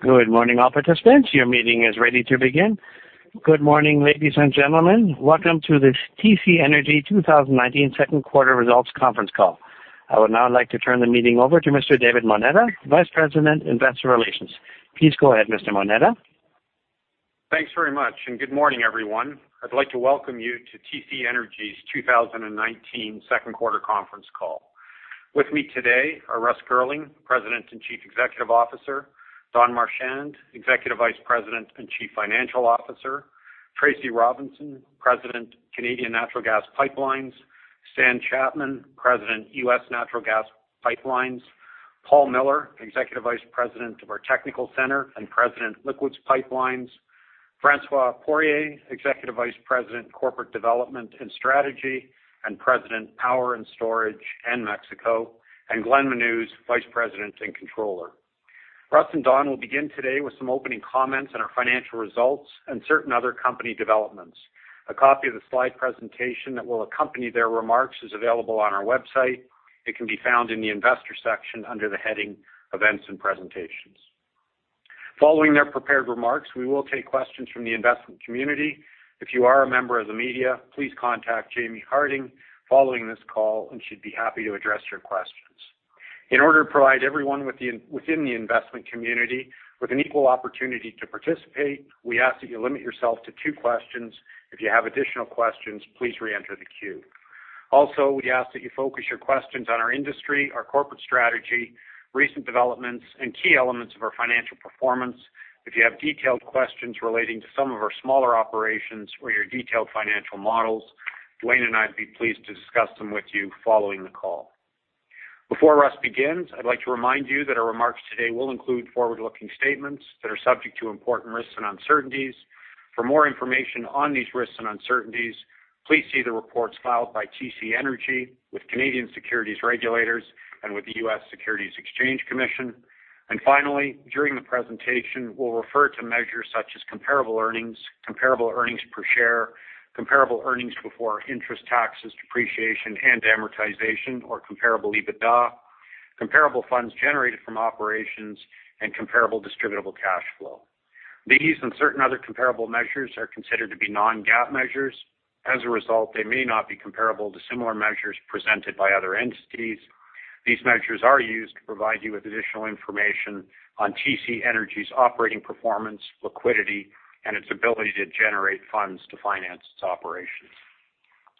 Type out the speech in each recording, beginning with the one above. Good morning, all participants. Your meeting is ready to begin. Good morning, ladies and gentlemen. Welcome to this TC Energy 2019 second quarter results conference call. I would now like to turn the meeting over to Mr. David Moneta, Vice President, Investor Relations. Please go ahead, Mr. Moneta. Thanks very much, and good morning, everyone. I'd like to welcome you to TC Energy's 2019 second quarter conference call. With me today are Russ Girling, President and Chief Executive Officer, Don Marchand, Executive Vice President and Chief Financial Officer, Tracy Robinson, President, Canadian Natural Gas Pipelines, Stan Chapman, President, U.S. Natural Gas Pipelines, Paul Miller, Executive Vice President of our Technical Center and President, Liquids Pipelines, François Poirier, Executive Vice President, Corporate Development and Strategy, and President, Power and Storage and Mexico, and Glenn Menuz, Vice President and Controller. Russ and Don will begin today with some opening comments on our financial results and certain other company developments. A copy of the slide presentation that will accompany their remarks is available on our website. It can be found in the investor section under the heading Events and Presentations. Following their prepared remarks, we will take questions from the investment community. If you are a member of the media, please contact Jaimie Harding following this call. She'd be happy to address your questions. In order to provide everyone within the investment community with an equal opportunity to participate, we ask that you limit yourself to two questions. If you have additional questions, please re-enter the queue. Also, we ask that you focus your questions on our industry, our corporate strategy, recent developments, and key elements of our financial performance. If you have detailed questions relating to some of our smaller operations or your detailed financial models, Duane and I'd be pleased to discuss them with you following the call. Before Russ begins, I'd like to remind you that our remarks today will include forward-looking statements that are subject to important risks and uncertainties. For more information on these risks and uncertainties, please see the reports filed by TC Energy with Canadian securities regulators and with the U.S. Securities and Exchange Commission. Finally, during the presentation, we'll refer to measures such as comparable earnings, comparable earnings per share, comparable earnings before interest, taxes, depreciation, and amortization or comparable EBITDA, comparable funds generated from operations, and comparable distributable cash flow. These and certain other comparable measures are considered to be non-GAAP measures. As a result, they may not be comparable to similar measures presented by other entities. These measures are used to provide you with additional information on TC Energy's operating performance, liquidity, and its ability to generate funds to finance its operations.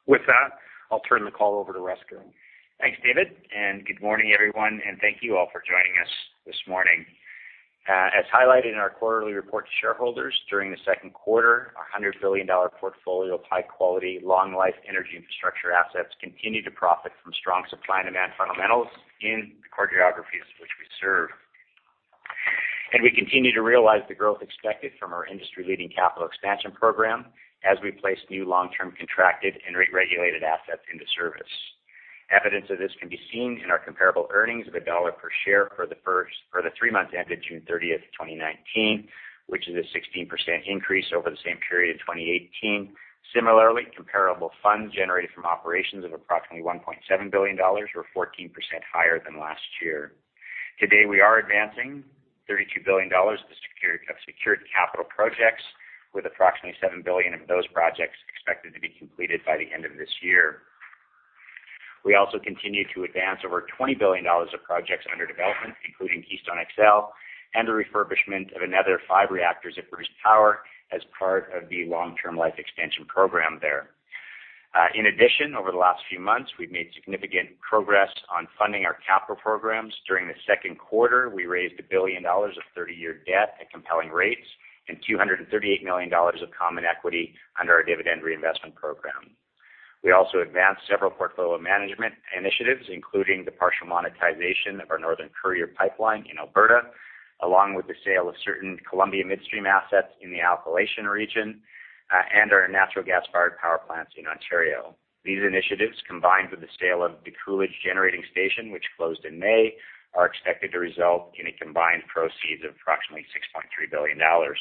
With that, I'll turn the call over to Russ Girling. Thanks, David, good morning, everyone, and thank you all for joining us this morning. As highlighted in our quarterly report to shareholders, during the second quarter, our 100 billion dollar portfolio of high-quality, long-life energy infrastructure assets continued to profit from strong supply and demand fundamentals in the core geographies which we serve. We continue to realize the growth expected from our industry-leading capital expansion program as we place new long-term contracted and rate-regulated assets into service. Evidence of this can be seen in our comparable earnings of CAD 1.00 per share for the three months ended June 30th, 2019, which is a 16% increase over the same period in 2018. Similarly, comparable funds generated from operations of approximately 1.7 billion dollars or 14% higher than last year. Today, we are advancing 32 billion dollars of secured capital projects with approximately 7 billion of those projects expected to be completed by the end of this year. We also continue to advance over 20 billion dollars of projects under development, including Keystone XL and the refurbishment of another five reactors at Bruce Power as part of the long-term life expansion program there. In addition, over the last few months, we've made significant progress on funding our capital programs. During the second quarter, we raised 1 billion dollars of 30-year debt at compelling rates and 238 million dollars of common equity under our dividend reinvestment program. We also advanced several portfolio management initiatives, including the partial monetization of our Northern Courier Pipeline in Alberta, along with the sale of certain Columbia Midstream assets in the Appalachian region and our natural gas-fired power plants in Ontario. These initiatives, combined with the sale of the Coolidge Generating Station, which closed in May, are expected to result in combined proceeds of approximately 6.3 billion dollars.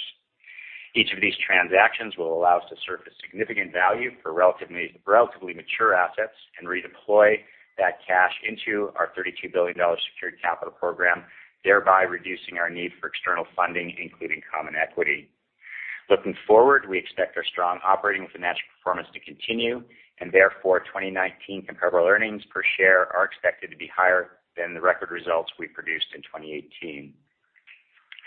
Each of these transactions will allow us to surface significant value for relatively mature assets and redeploy that cash into our 32 billion dollars secured capital program, thereby reducing our need for external funding, including common equity. Looking forward, we expect our strong operating financial performance to continue, and therefore, 2019 comparable earnings per share are expected to be higher than the record results we produced in 2018.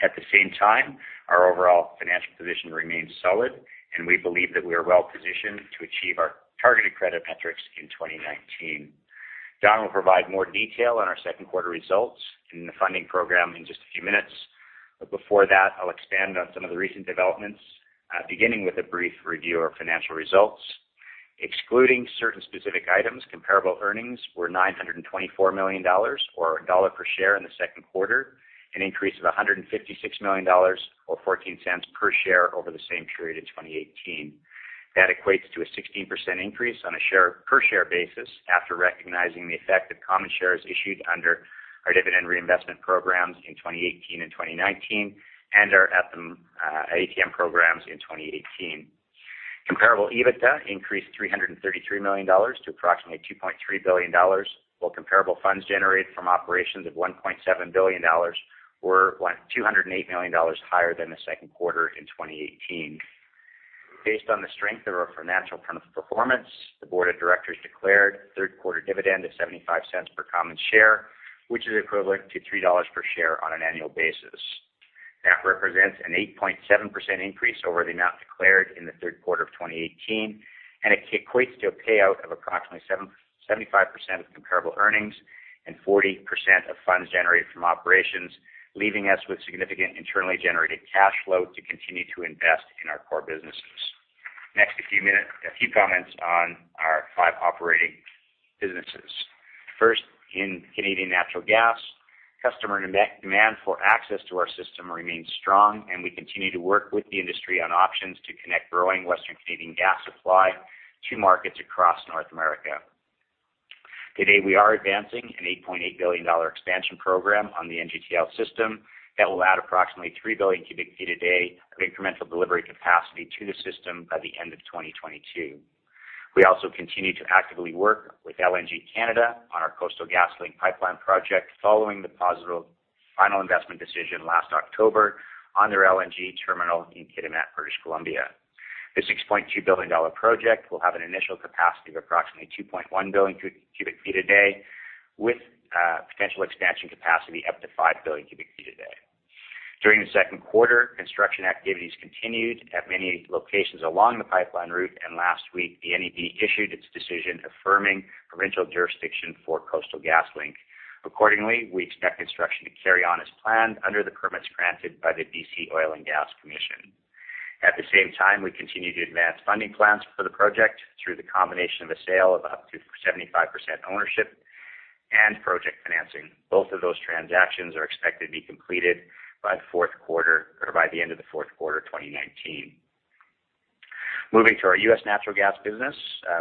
At the same time, our overall financial position remains solid, and we believe that we are well-positioned to achieve our targeted credit metrics in 2019. Don will provide more detail on our second quarter results and the funding program in just a few minutes. Before that, I'll expand on some of the recent developments, beginning with a brief review of financial results. Excluding certain specific items, comparable earnings were 924 million dollars or CAD 1 per share in the second quarter, an increase of 156 million dollars or 0.14 per share over the same period in 2018. That equates to a 16% increase on a per-share basis after recognizing the effect of common shares issued under our dividend reinvestment programs in 2018 and 2019 and our ATM programs in 2018. Comparable EBITDA increased 333 million dollars to approximately 2.3 billion dollars, while comparable funds generated from operations of 1.7 billion dollars were 208 million dollars higher than the second quarter in 2018. Based on the strength of our financial performance, the Board of Directors declared a third-quarter dividend of 0.75 per common share, which is equivalent to 3 dollars per share on an annual basis. That represents an 8.7% increase over the amount declared in the third quarter of 2018. It equates to a payout of approximately 75% of comparable earnings and 40% of funds generated from operations, leaving us with significant internally generated cash flow to continue to invest in our core businesses. Next, a few comments on our five operating businesses. First, in Canadian Natural Gas, customer demand for access to our system remains strong. We continue to work with the industry on options to connect growing Western Canadian gas supply to markets across North America. Today, we are advancing a 8.8 billion dollar expansion program on the NGTL system that will add approximately 3 billion cubic feet a day of incremental delivery capacity to the system by the end of 2022. We also continue to actively work with LNG Canada on our Coastal GasLink pipeline project following the positive final investment decision last October on their LNG terminal in Kitimat, British Columbia. This 6.2 billion dollar project will have an initial capacity of approximately 2.1 billion cubic feet a day with potential expansion capacity up to 5 billion cubic feet a day. During the second quarter, construction activities continued at many locations along the pipeline route. Last week, the NEB issued its decision affirming provincial jurisdiction for Coastal GasLink. Accordingly, we expect construction to carry on as planned under the permits granted by the BC Oil and Gas Commission. At the same time, we continue to advance funding plans for the project through the combination of a sale of up to 75% ownership and project financing. Both of those transactions are expected to be completed by the end of the fourth quarter 2019. Moving to our U.S. Natural Gas business,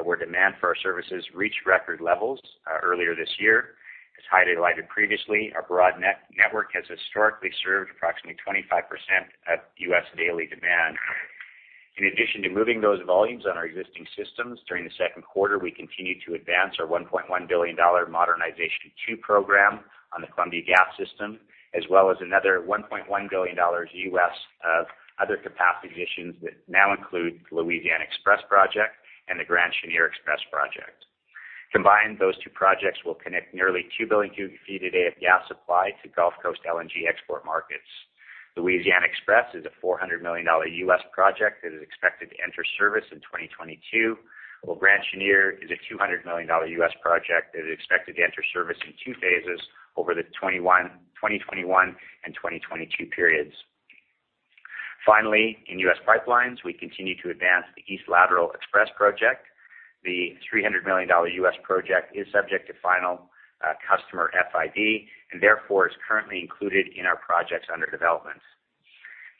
where demand for our services reached record levels earlier this year. As highlighted previously, our broad network has historically served approximately 25% of U.S. daily demand. In addition to moving those volumes on our existing systems during the second quarter, we continued to advance our $1.1 billion Modernization II program on the Columbia Gas system, as well as another $1.1 billion of other capacity additions that now include the Louisiana XPress project and the Grand Chenier XPress project. Combined, those two projects will connect nearly 2 billion cubic feet a day of gas supply to Gulf Coast LNG export markets. Louisiana XPress is a $400 million project that is expected to enter service in 2022, while Grand Chenier XPress is a $200 million project that is expected to enter service in two phases over the 2021 and 2022 periods. Finally, in U.S. Pipelines, we continue to advance the East Lateral XPress project. The $300 million project is subject to final customer FID and therefore is currently included in our projects under developments.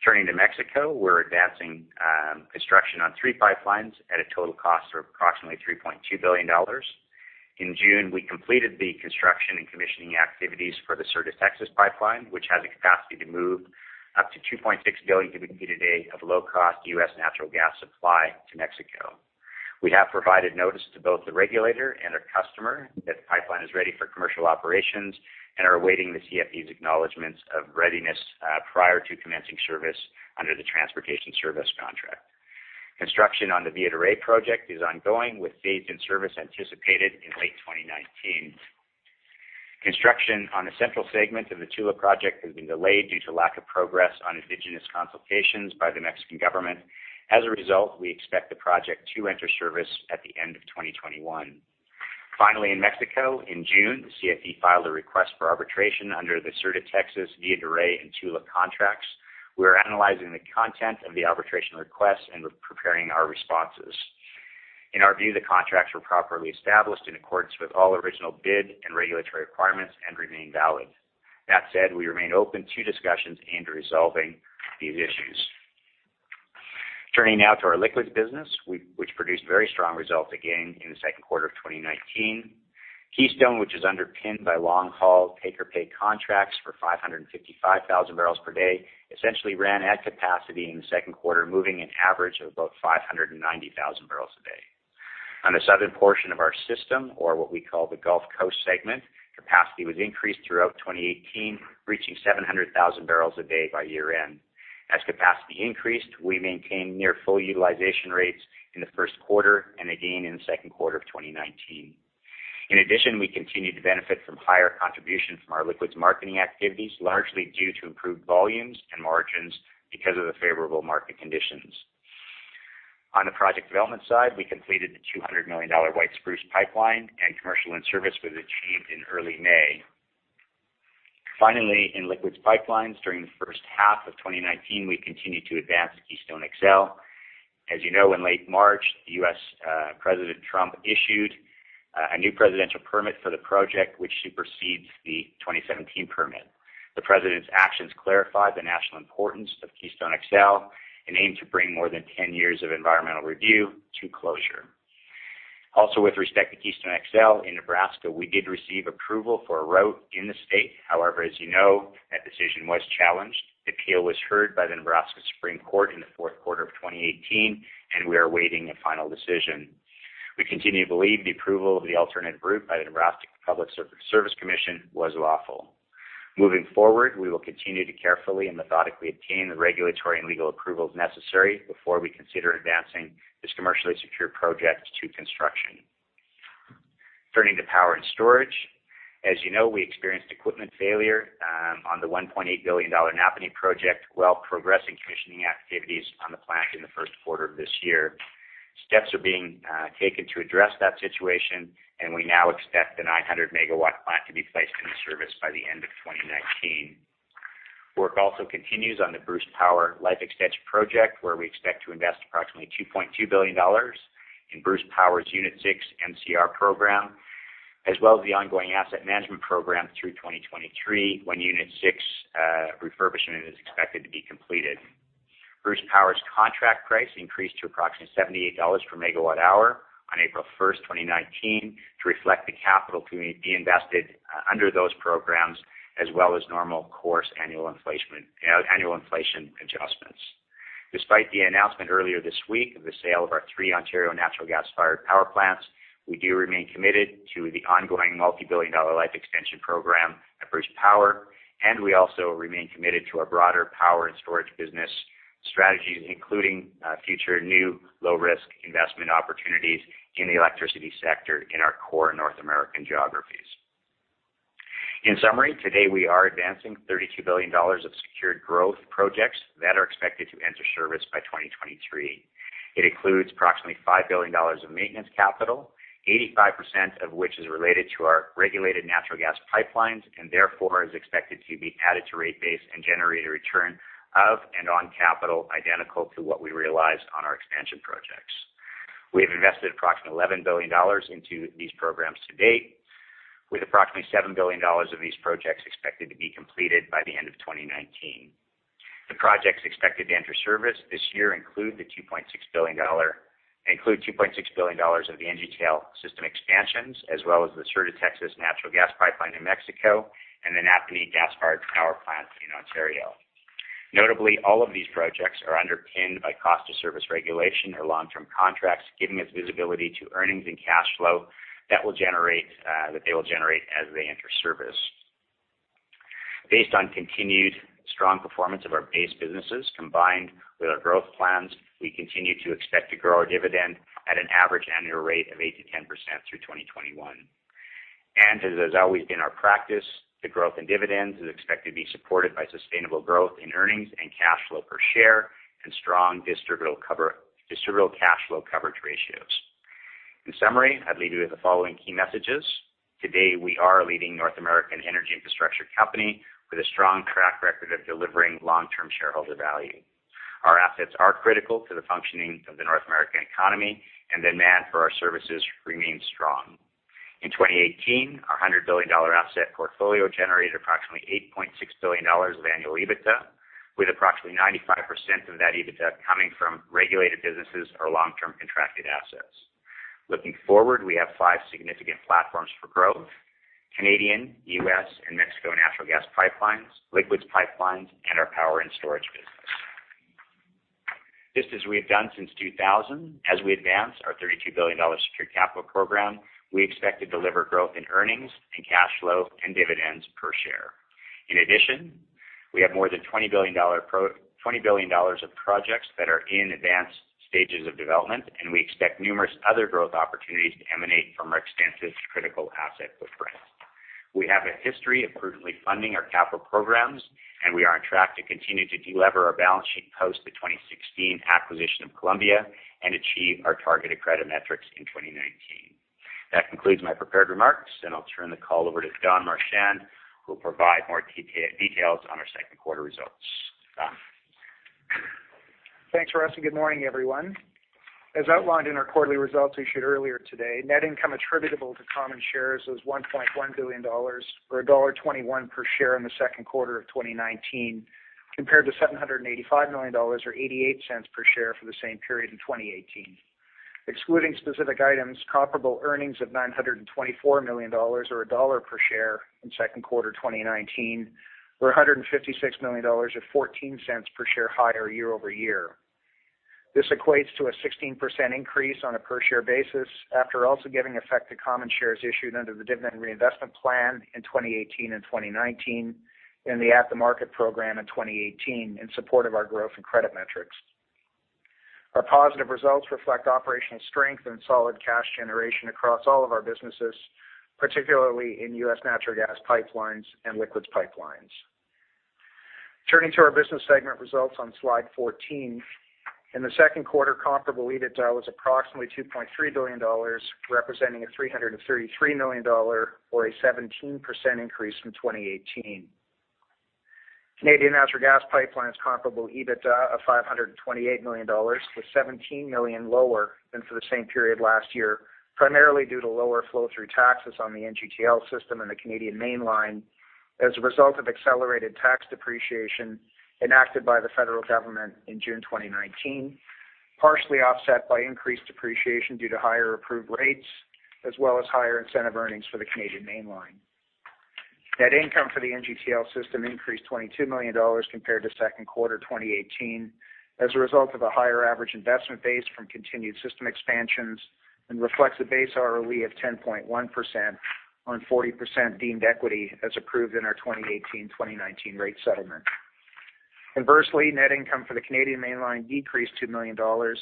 Turning to Mexico, we're advancing construction on three pipelines at a total cost of approximately 3.2 billion dollars. In June, we completed the construction and commissioning activities for the Sur de Texas pipeline, which has the capacity to move up to 2.6 billion cubic feet a day of low-cost U.S. natural gas supply to Mexico. We have provided notice to both the regulator and our customer that the pipeline is ready for commercial operations and are awaiting the CFE's acknowledgments of readiness prior to commencing service under the transportation service contract. Construction on the Villa de Reyes project is ongoing, with dates in-service anticipated in late 2019. Construction on the central segment of the Tula project has been delayed due to lack of progress on indigenous consultations by the Mexican government. As a result, we expect the project to enter service at the end of 2021. Finally, in Mexico, in June, the CFE filed a request for arbitration under the Sur de Texas, Villa de Reyes, and Tula contracts. We are analyzing the content of the arbitration request and preparing our responses. In our view, the contracts were properly established in accordance with all original bid and regulatory requirements and remain valid. That said, we remain open to discussions and resolving these issues. Turning now to our Liquids Business, which produced very strong results again in the second quarter of 2019. Keystone, which is underpinned by long-haul take-or-pay contracts for 555,000 bbl per day, essentially ran at capacity in the second quarter, moving an average of about 590,000 bbl a day. On the southern portion of our system, or what we call the Gulf Coast Segment, capacity was increased throughout 2018, reaching 700,000 bbl a day by year-end. As capacity increased, we maintained near full utilization rates in the first quarter and again in the second quarter of 2019. In addition, we continued to benefit from higher contribution from our liquids marketing activities, largely due to improved volumes and margins because of the favorable market conditions. On the project development side, we completed the 200 million dollar White Spruce Pipeline, and commercial in-service was achieved in early May. Finally, in Liquids Pipelines, during the first half of 2019, we continued to advance Keystone XL. As you know, in late March, U.S. President Trump issued a new presidential permit for the project, which supersedes the 2017 permit. The president's actions clarified the national importance of Keystone XL and aim to bring more than 10 years of environmental review to closure. With respect to Keystone XL in Nebraska, we did receive approval for a route in the state. As you know, that decision was challenged. The appeal was heard by the Nebraska Supreme Court in the fourth quarter of 2018, and we are awaiting a final decision. We continue to believe the approval of the alternate route by the Nebraska Public Service Commission was lawful. Moving forward, we will continue to carefully and methodically obtain the regulatory and legal approvals necessary before we consider advancing this commercially secure project to construction. Turning to Power and Storage. As you know, we experienced equipment failure on the 1.8 billion dollar Napanee project while progressing commissioning activities on the plant in the first quarter of this year. Steps are being taken to address that situation, and we now expect the 900 MW plant to be placed into service by the end of 2019. Work also continues on the Bruce Power life extension project, where we expect to invest approximately 2.2 billion dollars in Bruce Power's Unit 6 MCR program, as well as the ongoing asset management program through 2023, when Unit 6 refurbishment is expected to be completed. Bruce Power's contract price increased to approximately 78 dollars per megawatt hour on April 1st, 2019, to reflect the capital to be invested under those programs, as well as normal course annual inflation adjustments. Despite the announcement earlier this week of the sale of our three Ontario natural gas-fired power plants, we do remain committed to the ongoing multi-billion-dollar life extension program at Bruce Power, and we also remain committed to our broader Power and Storage business strategies, including future new low-risk investment opportunities in the electricity sector in our core North American geographies. In summary, today we are advancing 32 billion dollars of secured growth projects that are expected to enter service by 2023. It includes approximately 5 billion dollars of maintenance capital, 85% of which is related to our regulated natural gas pipelines, and therefore is expected to be added to rate base and generate a return of and on capital identical to what we realized on our expansion projects. We have invested approximately 11 billion dollars into these programs to date, with approximately 7 billion dollars of these projects expected to be completed by the end of 2019. The projects expected to enter service this year include 2.6 billion dollar of the NGTL system expansions, as well as the Sur de Texas natural gas pipeline in Mexico and the Napanee gas-fired power plant in Ontario. Notably, all of these projects are underpinned by cost of service regulation or long-term contracts, giving us visibility to earnings and cash flow that they will generate as they enter service. Based on continued strong performance of our base businesses, combined with our growth plans, we continue to expect to grow our dividend at an average annual rate of 8%-10% through 2021. As has always been our practice, the growth in dividends is expected to be supported by sustainable growth in earnings and cash flow per share and strong distributable cash flow coverage ratios. In summary, I'd leave you with the following key messages. Today, we are a leading North American energy infrastructure company with a strong track record of delivering long-term shareholder value. Our assets are critical to the functioning of the North American economy, and demand for our services remains strong. In 2018, our 100 billion dollar asset portfolio generated approximately 8.6 billion dollars of annual EBITDA, with approximately 95% of that EBITDA coming from regulated businesses or long-term contracted assets. Looking forward, we have five significant platforms for growth: Canadian, U.S., and Mexico Natural Gas Pipelines, Liquids Pipelines, and our Power and Storage business. Just as we have done since 2000, as we advance our 32 billion dollar secured capital program, we expect to deliver growth in earnings and cash flow and dividends per share. In addition, we have more than 20 billion dollars of projects that are in advanced stages of development, and we expect numerous other growth opportunities to emanate from our extensive critical asset footprint. We have a history of prudently funding our capital programs, and we are on track to continue to de-lever our balance sheet post the 2016 acquisition of Columbia and achieve our targeted credit metrics in 2019. That concludes my prepared remarks, and I'll turn the call over to Don Marchand, who will provide more details on our second quarter results. Don? Thanks, Russ, and good morning, everyone. As outlined in our quarterly results issued earlier today, net income attributable to common shares was 1.1 billion dollars, or dollar 1.21 per share in the second quarter of 2019, compared to 785 million dollars, or 0.88 per share for the same period in 2018. Excluding specific items, comparable earnings of 924 million dollars, or CAD 1.00 per share in second quarter 2019, were 156 million dollars, or 0.14 per share higher year-over-year. This equates to a 16% increase on a per-share basis after also giving effect to common shares issued under the dividend reinvestment plan in 2018 and 2019 and the at-the-market program in 2018 in support of our growth and credit metrics. Our positive results reflect operational strength and solid cash generation across all of our businesses, particularly in U.S. Natural Gas Pipelines and Liquids Pipelines. Turning to our business segment results on slide 14. In the second quarter, comparable EBITDA was approximately 2.3 billion dollars, representing a 333 million dollar, or a 17% increase from 2018. Canadian Natural Gas Pipelines comparable EBITDA of 528 million dollars was 17 million lower than for the same period last year, primarily due to lower flow-through taxes on the NGTL System and the Canadian Mainline as a result of accelerated tax depreciation enacted by the federal government in June 2019, partially offset by increased depreciation due to higher approved rates, as well as higher incentive earnings for the Canadian Mainline. Net income for the NGTL System increased 22 million dollars compared to second quarter 2018 as a result of a higher average investment base from continued system expansions and reflects a base ROE of 10.1% on 40% deemed equity as approved in our 2018-2019 rate settlement. Inversely, net income for the Canadian Mainline decreased 2 million dollars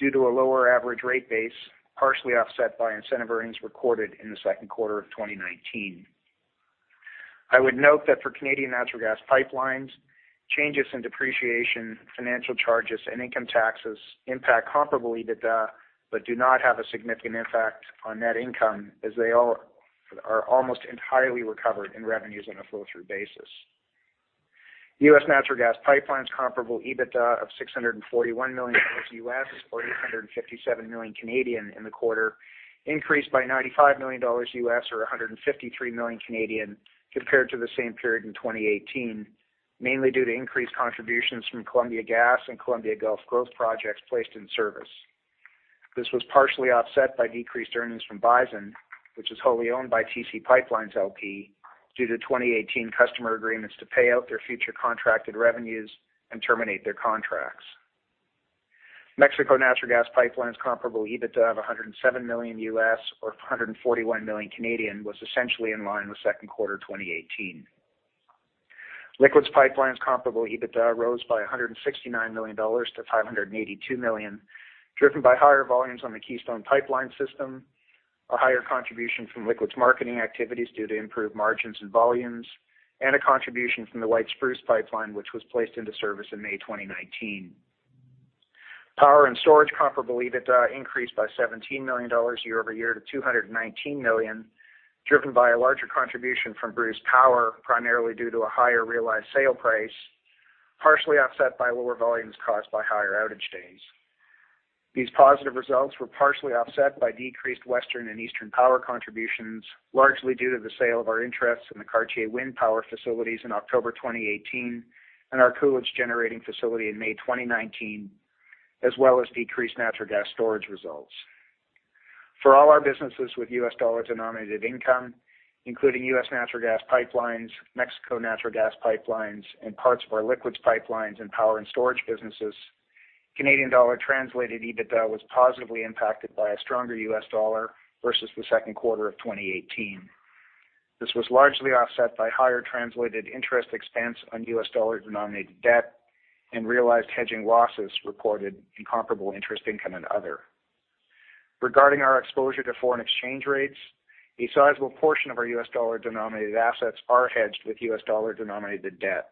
due to a lower average rate base, partially offset by incentive earnings recorded in the second quarter of 2019. I would note that for Canadian Natural Gas Pipelines, changes in depreciation, financial charges, and income taxes impact comparable EBITDA, but do not have a significant impact on net income, as they are almost entirely recovered in revenues on a flow-through basis. U.S. Natural Gas Pipelines comparable EBITDA of $641 million or 857 million in the quarter increased by $95 million or 153 million Canadian dollars compared to the same period in 2018, mainly due to increased contributions from Columbia Gas and Columbia Gulf growth projects placed in service. This was partially offset by decreased earnings from Bison, which is wholly owned by TC PipeLines, LP, due to 2018 customer agreements to pay out their future contracted revenues and terminate their contracts. Mexico Natural Gas Pipelines comparable EBITDA of $107 million or 141 million was essentially in line with second quarter 2018. Liquids Pipelines comparable EBITDA rose by 169 million dollars to 582 million, driven by higher volumes on the Keystone Pipeline System, a higher contribution from liquids marketing activities due to improved margins and volumes, and a contribution from the White Spruce Pipeline, which was placed into service in May 2019. Power and Storage comparable EBITDA increased by 17 million dollars year-over-year to 219 million, driven by a larger contribution from Bruce Power, primarily due to a higher realized sale price, partially offset by lower volumes caused by higher outage days. These positive results were partially offset by decreased Western and Eastern Power contributions, largely due to the sale of our interests in the Cartier Wind Energy facilities in October 2018 and our Coolidge Generating Station in May 2019, as well as decreased natural gas storage results. For all our businesses with U.S. dollar-denominated income, including U.S. Natural Gas Pipelines, Mexico Natural Gas Pipelines, and parts of our Liquids Pipelines and Power and Storage businesses, Canadian dollar-translated EBITDA was positively impacted by a stronger U.S. dollar versus the second quarter of 2018. This was largely offset by higher translated interest expense on U.S. dollar-denominated debt and realized hedging losses reported in comparable interest income and other. Regarding our exposure to foreign exchange rates, a sizable portion of our U.S. dollar-denominated assets are hedged with U.S. dollar-denominated debt.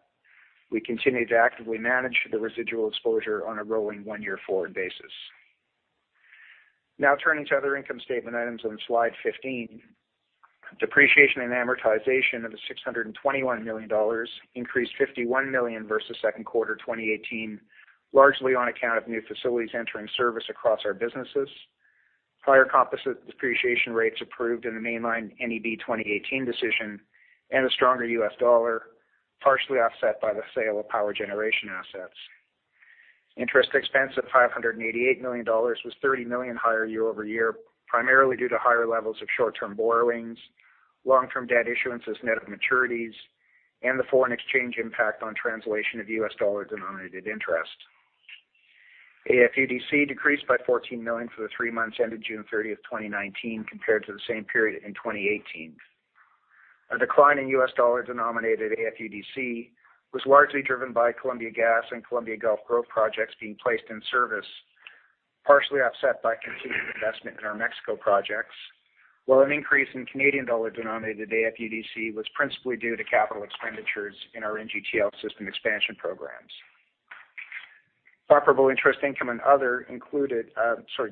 We continue to actively manage the residual exposure on a rolling one-year forward basis. Turning to other income statement items on slide 15. Depreciation and amortization of 621 million dollars increased 51 million versus second quarter 2018, largely on account of new facilities entering service across our businesses, higher composite depreciation rates approved in the Mainline NEB 2018 decision, and a stronger U.S. dollar, partially offset by the sale of power generation assets. Interest expense of 588 million dollars was 30 million higher year-over-year, primarily due to higher levels of short-term borrowings, long-term debt issuances, net of maturities, and the foreign exchange impact on translation of U.S. dollar-denominated interest. AFUDC decreased by 14 million for the three months ended June 30th, 2019, compared to the same period in 2018. A decline in U.S. dollar-denominated AFUDC was largely driven by Columbia Gas and Columbia Gulf growth projects being placed in service, partially offset by continued investment in our Mexico projects, while an increase in Canadian dollar-denominated AFUDC was principally due to capital expenditures in our NGTL system expansion programs. Comparable interest income and other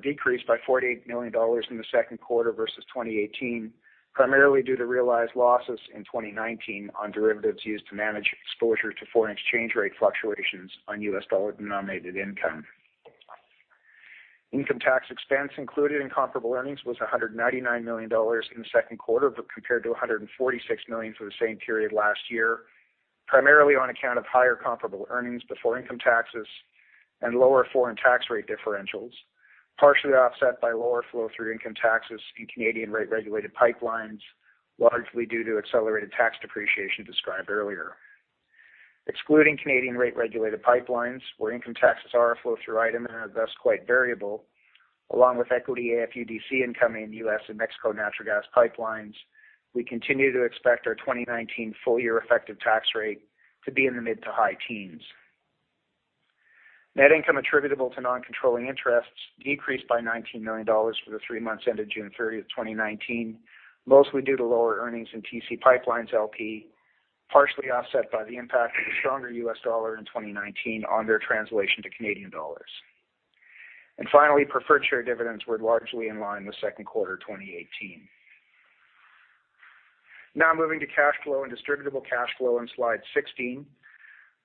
decreased by 48 million dollars in the second quarter versus 2018, primarily due to realized losses in 2019 on derivatives used to manage exposure to foreign exchange rate fluctuations on U.S. dollar-denominated income. Income tax expense included in comparable earnings was 199 million dollars in the second quarter, compared to 146 million for the same period last year, primarily on account of higher comparable earnings before income taxes and lower foreign tax rate differentials, partially offset by lower flow-through income taxes in Canadian rate-regulated pipelines, largely due to accelerated tax depreciation described earlier. Excluding Canadian rate-regulated pipelines, where income taxes are a flow-through item and are thus quite variable, along with equity AFUDC income in U.S. and Mexico Natural Gas Pipelines, we continue to expect our 2019 full-year effective tax rate to be in the mid to high teens. Net income attributable to non-controlling interests decreased by 19 million dollars for the three months ended June 30, 2019, mostly due to lower earnings in TC PipeLines, LP, partially offset by the impact of the stronger U.S. dollar in 2019 on their translation to Canadian dollars. Finally, preferred share dividends were largely in line with second quarter 2018. Moving to cash flow and distributable cash flow on slide 16.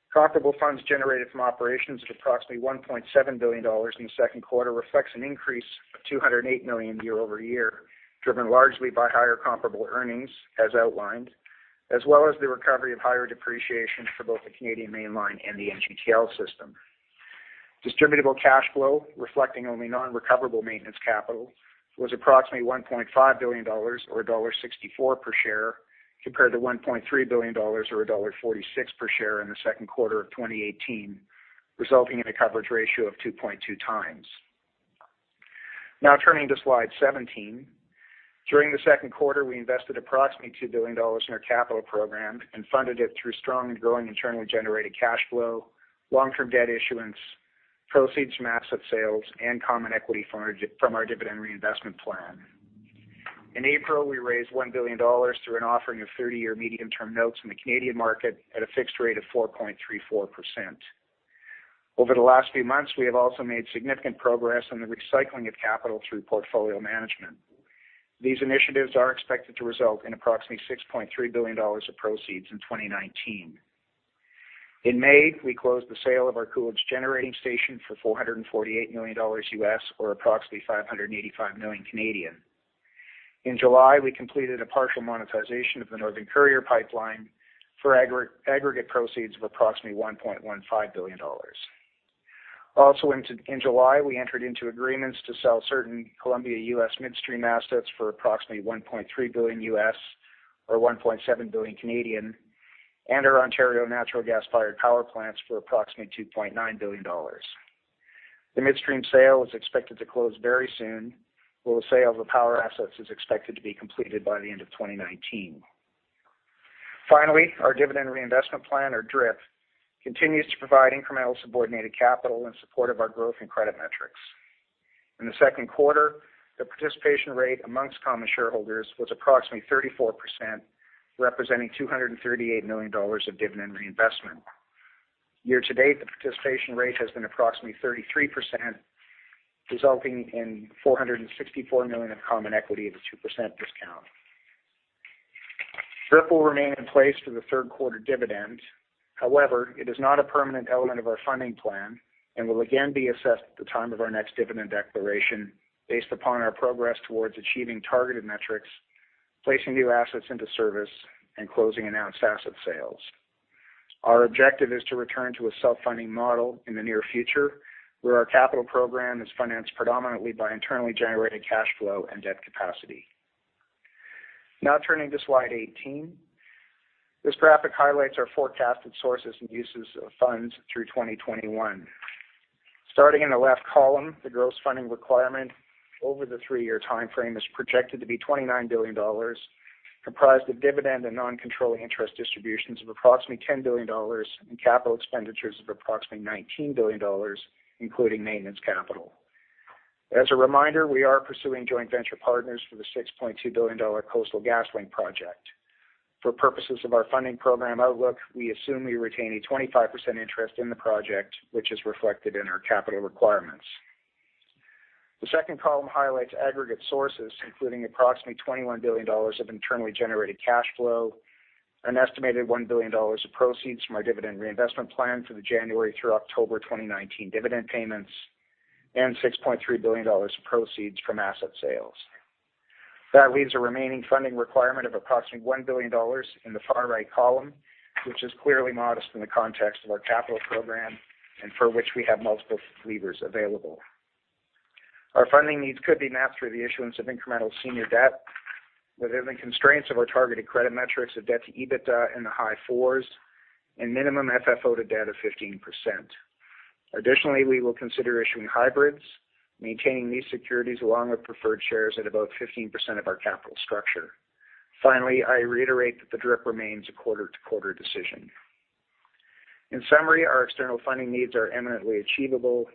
Profitable funds generated from operations at approximately 1.7 billion dollars in the second quarter reflects an increase of 208 million year-over-year, driven largely by higher comparable earnings as outlined, as well as the recovery of higher depreciation for both the Canadian Mainline and the NGTL system. Distributable cash flow, reflecting only non-recoverable maintenance capital, was approximately 1.5 billion dollars, or dollar 1.64 per share, compared to 1.3 billion dollars or dollar 1.46 per share in the second quarter of 2018, resulting in a coverage ratio of 2.2x. Turning to slide 17. During the second quarter, we invested approximately 2 billion dollars in our capital program and funded it through strong and growing internally generated cash flow, long-term debt issuance, proceeds from asset sales, and common equity from our dividend reinvestment plan. In April, we raised 1 billion dollars through an offering of 30-year medium-term notes in the Canadian market at a fixed rate of 4.34%. Over the last few months, we have also made significant progress on the recycling of capital through portfolio management. These initiatives are expected to result in approximately 6.3 billion dollars of proceeds in 2019. In May, we closed the sale of our Coolidge Generating Station for $448 million, or approximately 585 million Canadian dollars. In July, we completed a partial monetization of the Northern Courier Pipeline for aggregate proceeds of approximately 1.15 billion dollars. Also in July, we entered into agreements to sell certain Columbia U.S. midstream assets for approximately $1.3 billion, or 1.7 billion, and our Ontario natural gas-fired power plants for approximately 2.9 billion dollars. The midstream sale is expected to close very soon, while the sale of the power assets is expected to be completed by the end of 2019. Finally, our dividend reinvestment plan, or DRIP, continues to provide incremental subordinated capital in support of our growth in credit metrics. In the second quarter, the participation rate amongst common shareholders was approximately 34%, representing 238 million dollars of dividend reinvestment. Year-to-date, the participation rate has been approximately 33%, resulting in 464 million of common equity at a 2% discount. DRIP will remain in place for the third quarter dividend. However, it is not a permanent element of our funding plan and will again be assessed at the time of our next dividend declaration based upon our progress towards achieving targeted metrics, placing new assets into service, and closing announced asset sales. Our objective is to return to a self-funding model in the near future, where our capital program is financed predominantly by internally generated cash flow and debt capacity. Now turning to slide 18. This graphic highlights our forecasted sources and uses of funds through 2021. Starting in the left column, the gross funding requirement over the three-year timeframe is projected to be 29 billion dollars, comprised of dividend and non-controlling interest distributions of approximately 10 billion dollars, and capital expenditures of approximately 19 billion dollars, including maintenance capital. As a reminder, we are pursuing joint venture partners for the 6.2 billion dollar Coastal GasLink project. For purposes of our funding program outlook, we assume we retain a 25% interest in the project, which is reflected in our capital requirements. The second column highlights aggregate sources, including approximately 21 billion dollars of internally generated cash flow, an estimated 1 billion dollars of proceeds from our dividend reinvestment plan for the January through October 2019 dividend payments, and 6.3 billion dollars of proceeds from asset sales. That leaves a remaining funding requirement of approximately 1 billion dollars in the far right column, which is clearly modest in the context of our capital program and for which we have multiple levers available. Our funding needs could be matched through the issuance of incremental senior debt within the constraints of our targeted credit metrics of debt to EBITDA in the high fours and minimum FFO to debt of 15%. We will consider issuing hybrids, maintaining these securities along with preferred shares at about 15% of our capital structure. I reiterate that the DRIP remains a quarter-to-quarter decision. In summary, our external funding needs are eminently achievable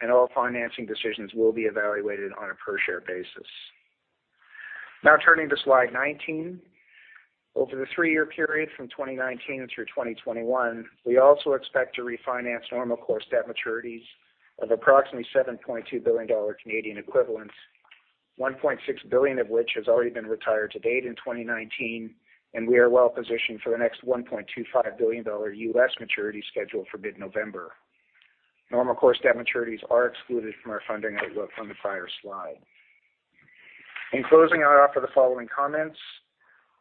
and all financing decisions will be evaluated on a per share basis. Turning to slide 19. Over the three-year period from 2019 through 2021, we also expect to refinance normal course debt maturities of approximately 7.2 billion Canadian dollars, 1.6 billion of which has already been retired to date in 2019, and we are well positioned for the next $1.25 billion maturity schedule for mid-November. Normal course debt maturities are excluded from our funding outlook from the prior slide. In closing, I offer the following comments.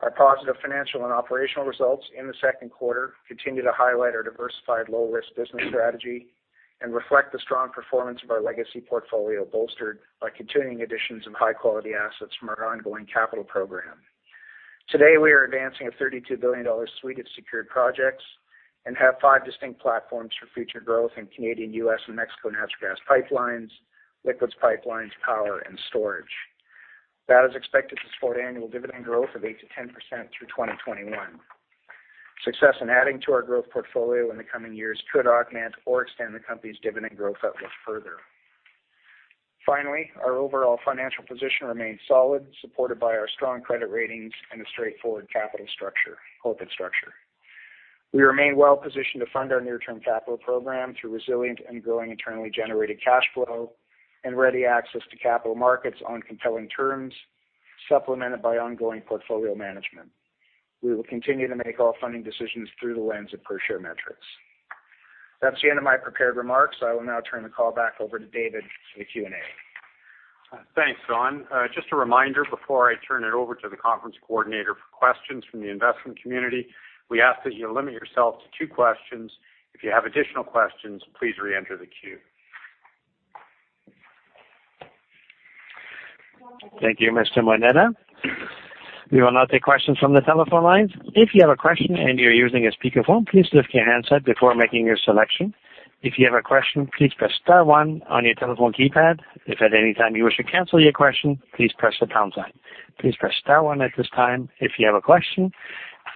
Our positive financial and operational results in the second quarter continue to highlight our diversified low-risk business strategy and reflect the strong performance of our legacy portfolio, bolstered by continuing additions of high-quality assets from our ongoing capital program. Today, we are advancing a 32 billion dollar suite of secured projects and have five distinct platforms for future growth in Canadian, U.S., and Mexico Natural Gas Pipelines, Liquids Pipelines, Power, and Storage. That is expected to support annual dividend growth of 8%-10% through 2021. Success in adding to our growth portfolio in the coming years could augment or extend the company's dividend growth outlook further. Finally, our overall financial position remains solid, supported by our strong credit ratings and a straightforward corporate structure. We remain well-positioned to fund our near-term capital program through resilient and growing internally generated cash flow and ready access to capital markets on compelling terms. Supplemented by ongoing portfolio management. We will continue to make all funding decisions through the lens of per-share metrics. That's the end of my prepared remarks. I will now turn the call back over to David for the Q&A. Thanks, Don. Just a reminder before I turn it over to the conference coordinator for questions from the investment community, we ask that you limit yourself to two questions. If you have additional questions, please reenter the queue. Thank you, Mr. Moneta. We will now take questions from the telephone lines. If you have a question and you're using a speakerphone, please lift your handset before making your selection. If you have a question, please press star one on your telephone keypad. If at any time you wish to cancel your question, please press the pound sign. Please press star one at this time if you have a question.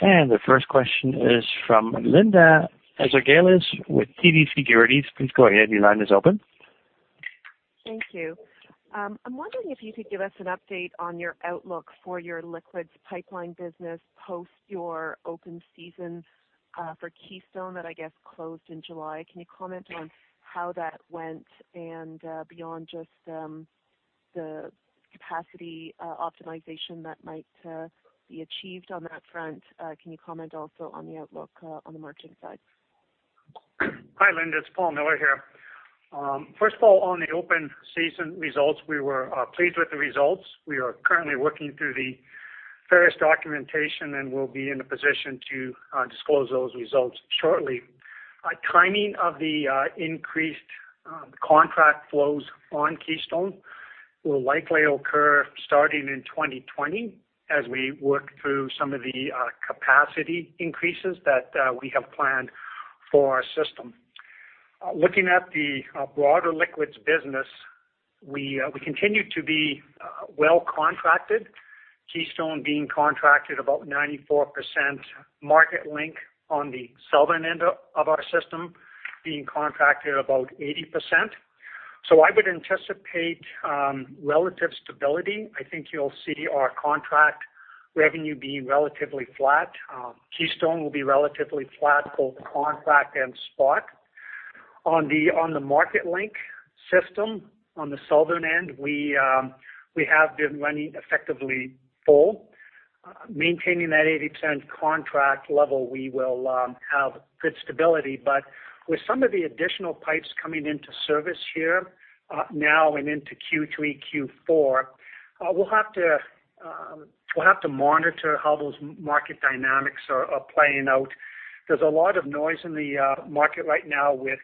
The first question is from Linda Ezergailis with TD Securities. Please go ahead. Your line is open. Thank you. I'm wondering if you could give us an update on your outlook for your Liquids Pipeline business post your open season for Keystone that I guess closed in July. Can you comment on how that went and beyond just the capacity optimization that might be achieved on that front? Can you comment also on the outlook on the margin side? Hi, Linda. It's Paul Miller here. First of all, on the open season results, we were pleased with the results. We are currently working through the various documentation, and we'll be in a position to disclose those results shortly. Timing of the increased contract flows on Keystone will likely occur starting in 2020 as we work through some of the capacity increases that we have planned for our system. Looking at the broader liquids business, we continue to be well-contracted, Keystone being contracted about 94%, Marketlink on the southern end of our system being contracted about 80%. I would anticipate relative stability. I think you'll see our contract revenue being relatively flat. Keystone will be relatively flat, both contract and spot. On the Marketlink system, on the southern end, we have been running effectively full. Maintaining that 80% contract level, we will have good stability. With some of the additional pipes coming into service here now and into Q3, Q4, we'll have to monitor how those market dynamics are playing out. There's a lot of noise in the market right now with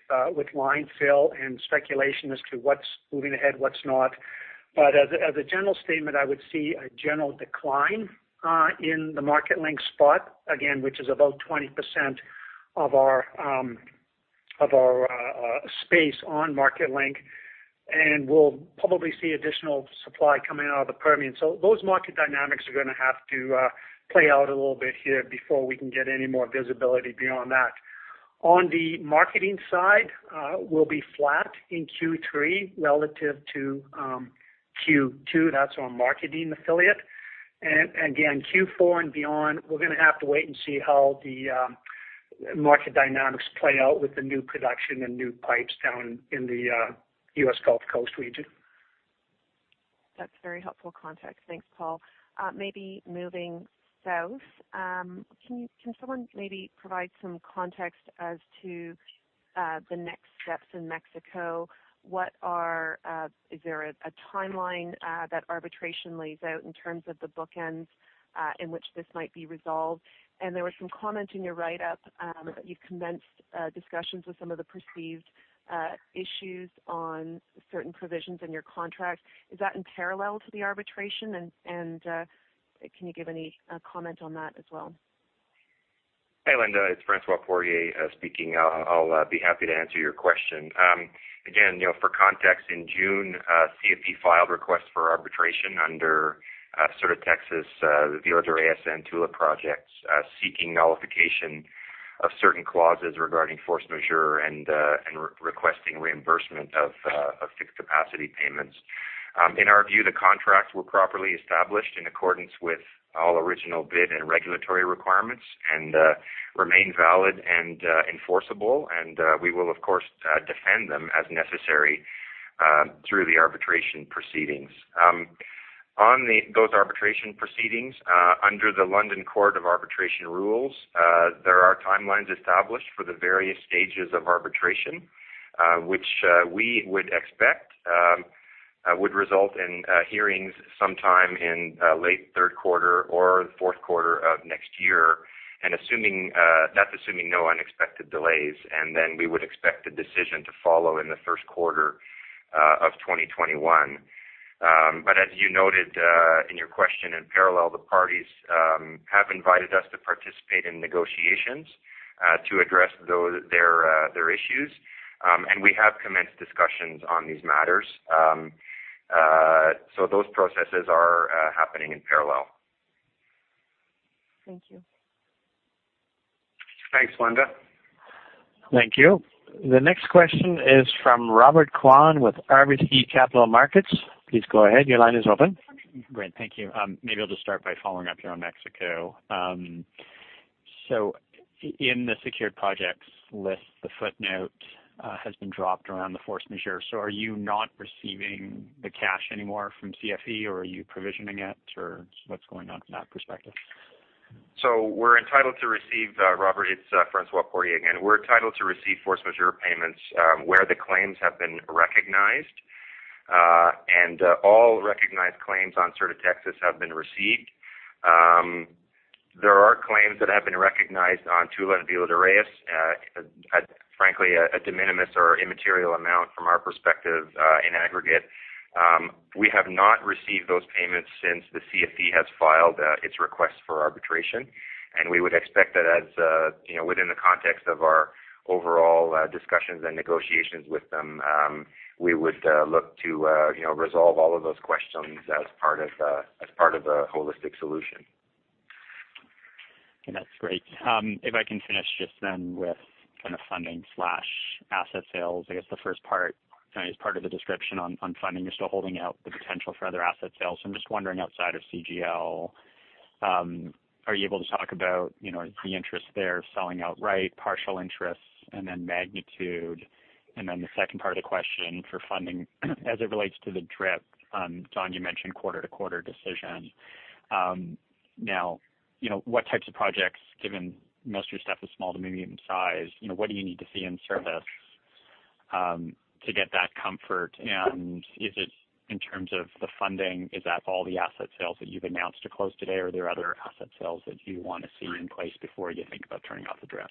line fill and speculation as to what's moving ahead, what's not. As a general statement, I would see a general decline in the Marketlink spot, again, which is about 20% of our space on Marketlink, and we'll probably see additional supply coming out of the Permian. Those market dynamics are going to have to play out a little bit here before we can get any more visibility beyond that. On the marketing side, we'll be flat in Q3 relative to Q2. That's our marketing affiliate. Again, Q4 and beyond, we're going to have to wait and see how the market dynamics play out with the new production and new pipes down in the U.S. Gulf Coast region. That's very helpful context. Thanks, Paul. Maybe moving south, can someone maybe provide some context as to the next steps in Mexico? Is there a timeline that arbitration lays out in terms of the bookends in which this might be resolved? There was some comment in your write-up that you've commenced discussions with some of the perceived issues on certain provisions in your contract. Is that in parallel to the arbitration? Can you give any comment on that as well? Hey, Linda. It's François Poirier speaking. I'll be happy to answer your question. For context, in June, CFE filed requests for arbitration under Sur de Texas, the Villa de Reyes and Tula projects, seeking nullification of certain clauses regarding force majeure and requesting reimbursement of fixed capacity payments. In our view, the contracts were properly established in accordance with all original bid and regulatory requirements and remain valid and enforceable. We will, of course, defend them as necessary through the arbitration proceedings. On those arbitration proceedings, under the London Court of International Arbitration Rules, there are timelines established for the various stages of arbitration which we would expect would result in hearings sometime in late third quarter or the fourth quarter of next year. That's assuming no unexpected delays. We would expect a decision to follow in the first quarter of 2021. As you noted in your question, in parallel, the parties have invited us to participate in negotiations to address their issues. We have commenced discussions on these matters. Those processes are happening in parallel. Thank you. Thanks, Linda. Thank you. The next question is from Robert Kwan with RBC Capital Markets. Please go ahead. Your line is open. Great. Thank you. I'll just start by following up here on Mexico. In the secured projects list, the footnote has been dropped around the force majeure. Are you not receiving the cash anymore from CFE or are you provisioning it, or what's going on from that perspective? We're entitled to receive, Robert, it's François Poirier again. We're entitled to receive force majeure payments where the claims have been recognized. All recognized claims on Sur de Texas have been received. There are claims that have been recognized on Tula and Villa de Reyes, frankly, a de minimis or immaterial amount from our perspective, in aggregate. We have not received those payments since the CFE has filed its request for arbitration. We would expect that as within the context of our overall discussions and negotiations with them, we would look to resolve all of those questions as part of a holistic solution. Okay, that's great. If I can finish just then with kind of funding/asset sales, I guess the first part, as part of the description on funding, you're still holding out the potential for other asset sales. I'm just wondering outside of CGL, are you able to talk about the interest there, selling outright, partial interests, and then magnitude? Then the second part of the question for funding as it relates to the DRIP, Don, you mentioned quarter-to-quarter decision. What types of projects, given most of your stuff is small to medium size, what do you need to see in service to get that comfort? Is it in terms of the funding, is that all the asset sales that you've announced are closed today or are there other asset sales that you want to see in place before you think about turning off the DRIP?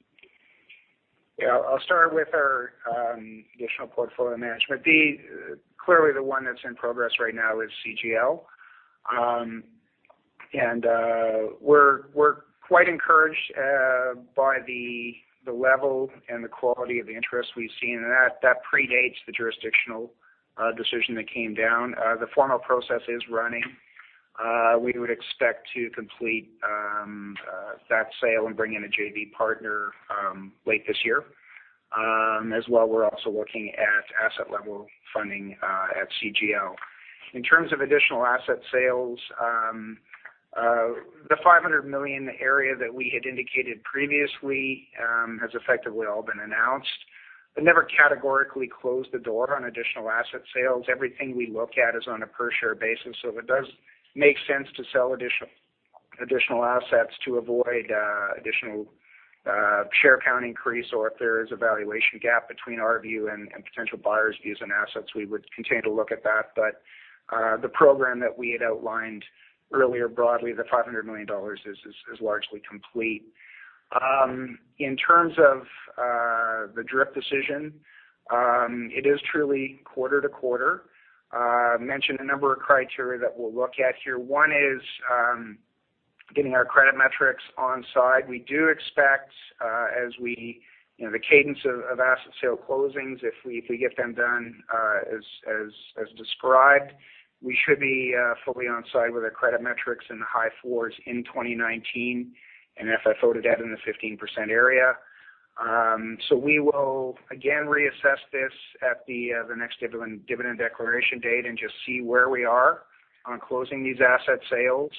I'll start with our additional portfolio management. Clearly, the one that's in progress right now is CGL. We're quite encouraged by the level and the quality of the interest we've seen, and that predates the jurisdictional decision that came down. The formal process is running. We would expect to complete that sale and bring in a JV partner late this year. As well, we're also looking at asset-level funding at CGL. In terms of additional asset sales, the 500 million area that we had indicated previously has effectively all been announced, but never categorically closed the door on additional asset sales. Everything we look at is on a per-share basis. If it does make sense to sell additional assets to avoid additional share count increase or if there is a valuation gap between our view and potential buyers' views on assets, we would continue to look at that. The program that we had outlined earlier broadly, the 500 million dollars, is largely complete. In terms of the DRIP decision, it is truly quarter to quarter. Mentioned a number of criteria that we'll look at here. One is getting our credit metrics on side. We do expect as the cadence of asset sale closings, if we get them done as described, we should be fully on side with our credit metrics in the high fours in 2019, and FFO debt in the 15% area. We will again reassess this at the next dividend declaration date and just see where we are on closing these asset sales,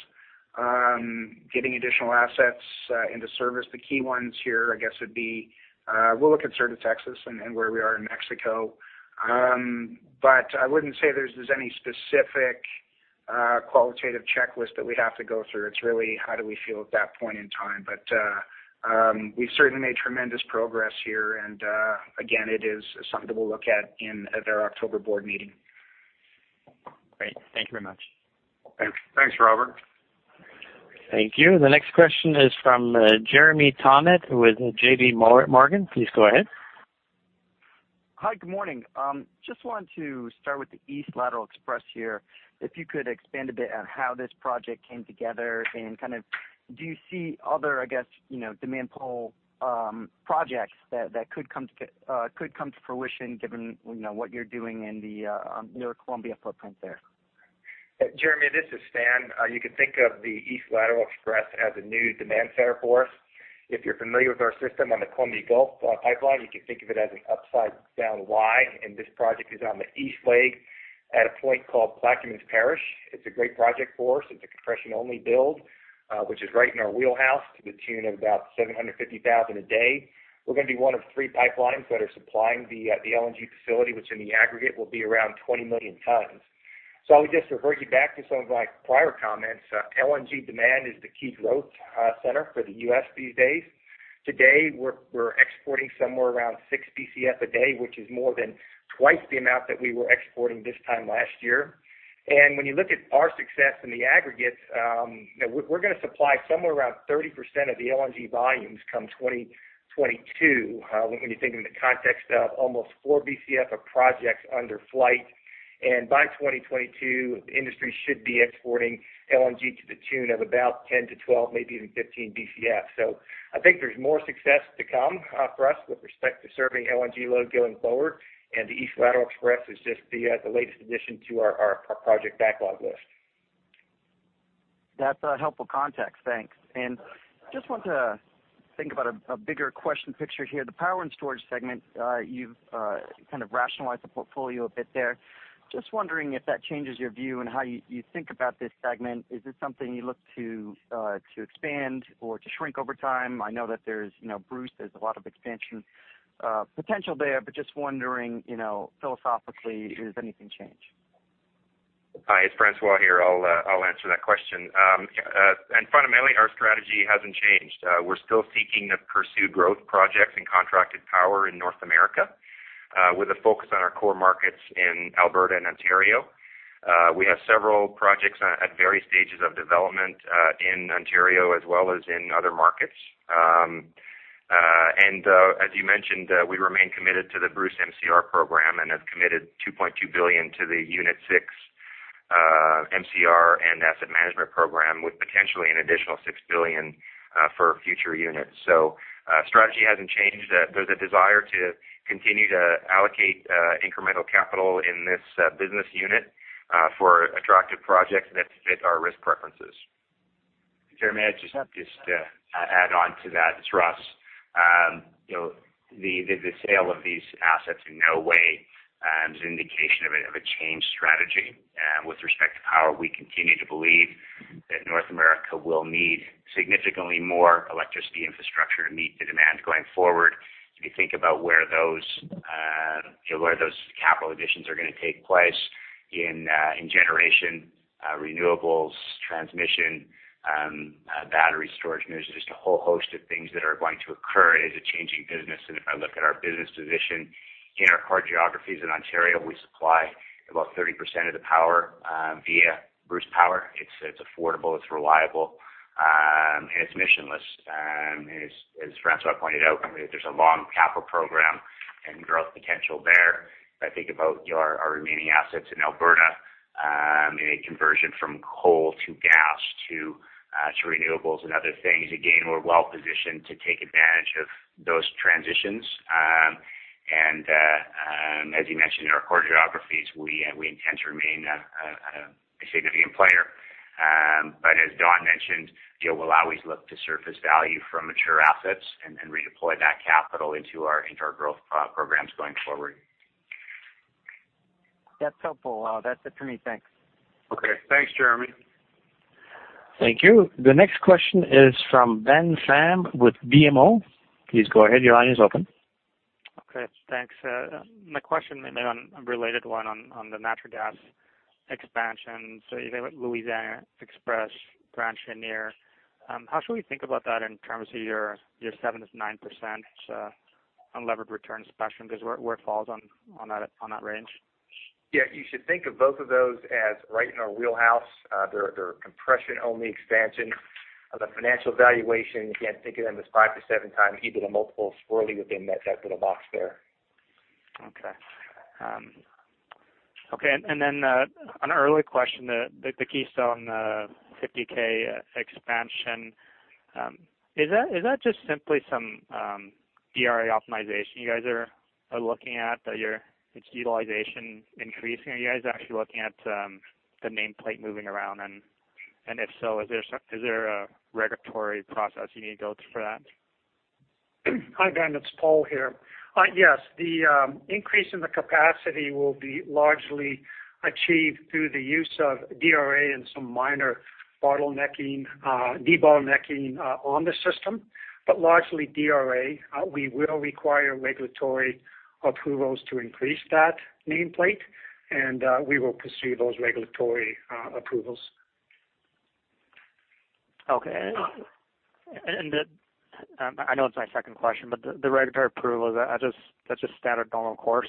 getting additional assets into service. The key ones here, I guess, would be we'll look at Sur de Texas and where we are in Mexico. I wouldn't say there's any specific qualitative checklist that we have to go through. It's really how do we feel at that point in time. We've certainly made tremendous progress here, and again, it is something that we'll look at in their October board meeting. Great. Thank you very much. Thanks, Robert. Thank you. The next question is from Jeremy Tonet with JPMorgan. Please go ahead. Hi, good morning. Just wanted to start with the East Lateral XPress here. If you could expand a bit on how this project came together and kind of do you see other, I guess, demand pull projects that could come to fruition given what you're doing in your Columbia footprint there? Jeremy, this is Stan. You can think of the East Lateral XPress as a new demand center for us. If you're familiar with our system on the Columbia Gulf Pipeline, you can think of it as an upside-down Y, and this project is on the east leg at a point called Plaquemines Parish. It's a great project for us. It's a compression-only build, which is right in our wheelhouse to the tune of about 750,000 a day. We're going to be one of three pipelines that are supplying the LNG facility, which in the aggregate will be around 20 million tons. I would just refer you back to some of my prior comments. LNG demand is the key growth center for the U.S. these days. Today, we're exporting somewhere around 6 BCF a day, which is more than twice the amount that we were exporting this time last year. When you look at our success in the aggregate, we're going to supply somewhere around 30% of the LNG volumes come 2022, when you think in the context of almost 4 BCF of projects under flight. By 2022, the industry should be exporting LNG to the tune of about 10-12, maybe even 15 BCF. I think there's more success to come for us with respect to serving LNG load going forward. The East Lateral XPress is just the latest addition to our project backlog list. That's a helpful context. Thanks. I just wanted to think about a bigger question picture here. The Power and Storage segment, you've kind of rationalized the portfolio a bit there. Just wondering if that changes your view and how you think about this segment. Is this something you look to expand or to shrink over time? I know that there's Bruce, there's a lot of expansion potential there, but just wondering, philosophically, has anything changed? Hi, it's François here. I'll answer that question. Fundamentally, our strategy hasn't changed. We're still seeking to pursue growth projects and contracted power in North America, with a focus on our core markets in Alberta and Ontario. We have several projects at various stages of development in Ontario as well as in other markets. As you mentioned, we remain committed to the Bruce MCR program and have committed 2.2 billion to the Unit 6 MCR and asset management program, with potentially an additional 6 billion for future units. The strategy hasn't changed. There's a desire to continue to allocate incremental capital in this business unit for attractive projects that fit our risk preferences. Jeremy, I'd just add on to that. It's Russ. The sale of these assets in no way is an indication of a changed strategy. With respect to power, we continue to believe that North America will need significantly more electricity infrastructure to meet the demand going forward. If you think about where those capital additions are going to take place in generation, renewables, transmission, battery storage, there's just a whole host of things that are going to occur as a changing business. If I look at our business position in our core geographies in Ontario, we supply about 30% of the power via Bruce Power. It's affordable, it's reliable, and it's emissionless. As François pointed out, there's a long capital program and growth potential there. If I think about our remaining assets in Alberta, in a conversion from coal to gas to renewables and other things, again, we're well-positioned to take advantage of those transitions. As you mentioned, in our core geographies, we intend to remain a significant player. As Don mentioned, we'll always look to surface value from mature assets and redeploy that capital into our growth programs going forward. That's helpful. That's it for me. Thanks. Okay. Thanks, Jeremy. Thank you. The next question is from Ben Pham with BMO. Please go ahead. Your line is open. Okay. Thanks. My question, maybe on a related one on the natural gas expansion. You think about Louisiana XPress, Grand Chenier. How should we think about that in terms of your 7%-9% unlevered return spectrum? Because where it falls on that range? Yeah, you should think of both of those as right in our wheelhouse. They're compression-only expansions. The financial valuation, again, think of them as 5 to 7x EBITDA multiples, squarely within that little box there. Okay. An earlier question, the Keystone 50,000 expansion. Is that just simply some DRA optimization you guys are looking at that your utilization increasing? Are you guys actually looking at the nameplate moving around? If so, is there a regulatory process you need to go through for that? Hi, Ben. It's Paul here. Yes. The increase in the capacity will be largely achieved through the use of DRA and some minor debottlenecking on the system. Largely DRA. We will require regulatory approvals to increase that nameplate. We will pursue those regulatory approvals. Okay. I know it's my second question, the regulatory approval, that's just standard normal course?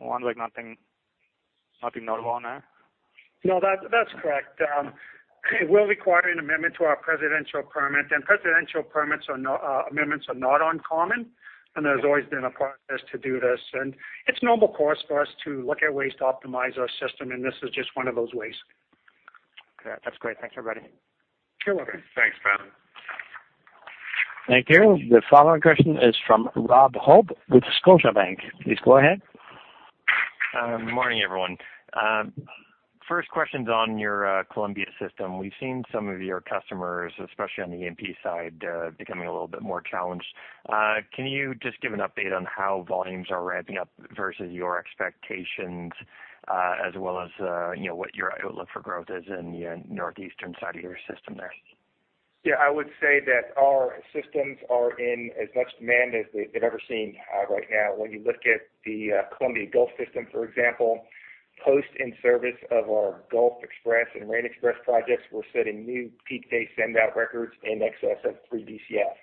Nothing notable on that? No, that's correct. It will require an amendment to our presidential permit. Presidential permits amendments are not uncommon, and there's always been a process to do this. It's normal course for us to look at ways to optimize our system, and this is just one of those ways. Okay. That's great. Thanks, everybody. You're welcome. Thanks, Ben. Thank you. The following question is from Rob Hope with Scotiabank. Please go ahead. Good morning, everyone. First question's on your Columbia system. We've seen some of your customers, especially on the E&P side, becoming a little bit more challenged. Can you just give an update on how volumes are ramping up versus your expectations, as well as what your outlook for growth is in the northeastern side of your system there? Yeah, I would say that our systems are in as much demand as they've ever seen right now. When you look at the Columbia Gulf system, for example, post in-service of our Gulf XPress and Rayne XPress projects, we're setting new peak day sendout records in excess of 3 BCF.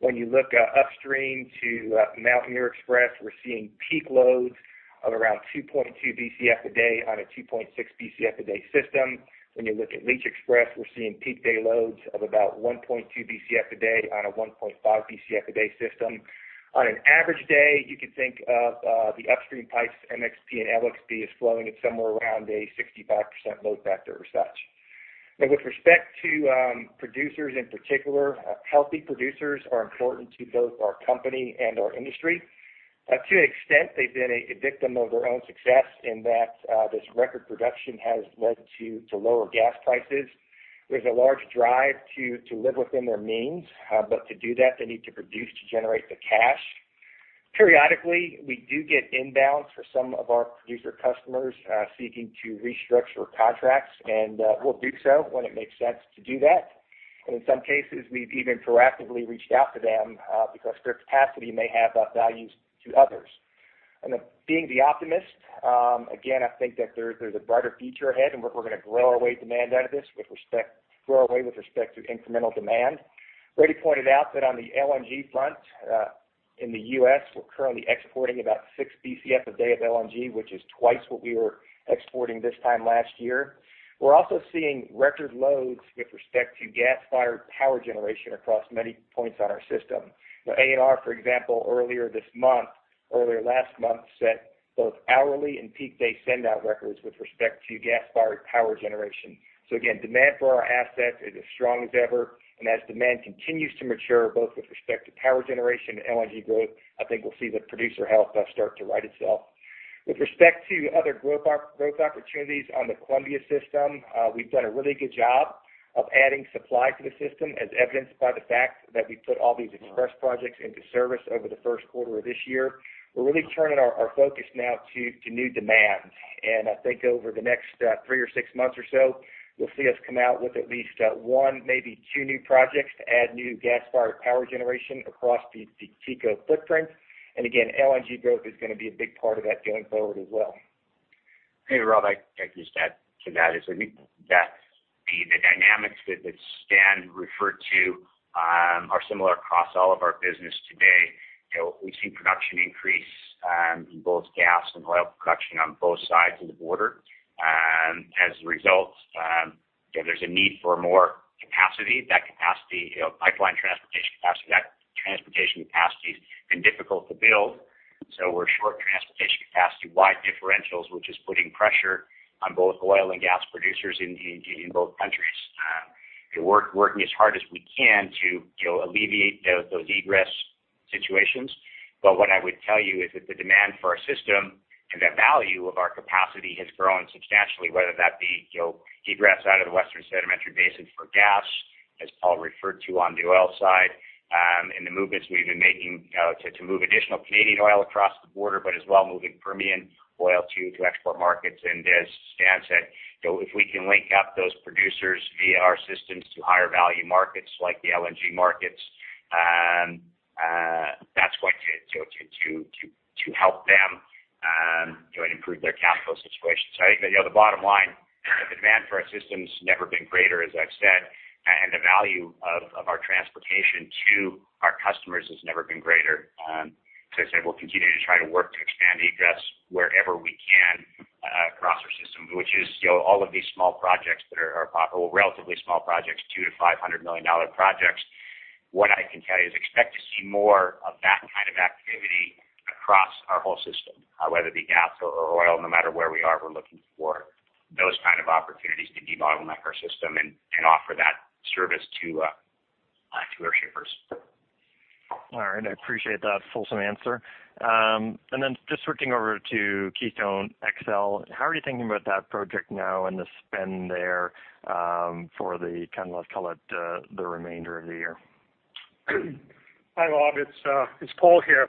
When you look upstream to Mountaineer XPress, we're seeing peak loads of around 2.2 BCF a day on a 2.6 BCF a day system. When you look at Leach XPress, we're seeing peak day loads of about 1.2 BCF a day on a 1.5 BCF a day system. On an average day, you could think of the upstream pipes, MXP and LXP, as flowing at somewhere around a 65% load factor or such. Now, with respect to producers in particular, healthy producers are important to both our company and our industry. To an extent, they've been a victim of their own success in that this record production has led to lower gas prices. There's a large drive to live within their means. To do that, they need to produce to generate the cash. Periodically, we do get inbounds for some of our producer customers seeking to restructure contracts, and we'll do so when it makes sense to do that. In some cases, we've even proactively reached out to them because their capacity may have values to others. Being the optimist, again, I think that there's a brighter future ahead, and we're going to grow our way demand out of this with respect to grow away with respect to incremental demand. Already pointed out that on the LNG front, in the U.S., we're currently exporting about 6 BCF a day of LNG, which is twice what we were exporting this time last year. We're also seeing record loads with respect to gas-fired power generation across many points on our system. ANR, for example, earlier this month, earlier last month, set both hourly and peak day sendout records with respect to gas-fired power generation. Again, demand for our assets is as strong as ever. As demand continues to mature, both with respect to power generation and LNG growth, I think we'll see the producer health start to right itself. With respect to other growth opportunities on the Columbia system, we've done a really good job of adding supply to the system, as evidenced by the fact that we put all these XPress projects into service over the first quarter of this year. We're really turning our focus now to new demand. I think over the next three or six months or so, you'll see us come out with at least one, maybe two new projects to add new gas-fired power generation across the TCO footprint. Again, LNG growth is going to be a big part of that going forward as well. Hey, Rob, I'd just add to that is I think that the dynamics that Stan referred to are similar across all of our business today. We've seen production increase in both gas and oil production on both sides of the border. As a result, there's a need for more capacity. That capacity, pipeline transportation capacity, that transportation capacity has been difficult to build. We're short transportation capacity, wide differentials, which is putting pressure on both oil and gas producers in both countries. We're working as hard as we can to alleviate those egress situations. What I would tell you is that the demand for our system and the value of our capacity has grown substantially, whether that be egress out of the Western Sedimentary Basin for gas, as Paul referred to on the oil side, and the movements we've been making to move additional Canadian oil across the border, but as well moving Permian oil too, to export markets. As Stan said, if we can link up those producers via our systems to higher value markets like the LNG markets, that's going to help them and improve their capital situation. I think that the bottom line, the demand for our system's never been greater, as I've said, and the value of our transportation to our customers has never been greater. I'd say we'll continue to try to work to expand egress wherever we can across our system, which is all of these small projects that are possible, relatively small projects, 2 million-500 million dollar projects. What I can tell you is expect to see more of that kind of activity across our whole system, whether it be gas or oil. No matter where we are, we're looking for those kind of opportunities to modernize our system and offer that service to our shippers. All right. I appreciate that fulsome answer. Just switching over to Keystone XL, how are you thinking about that project now and the spend there for the kind of, let's call it the remainder of the year? Hi, Rob. It's Paul here.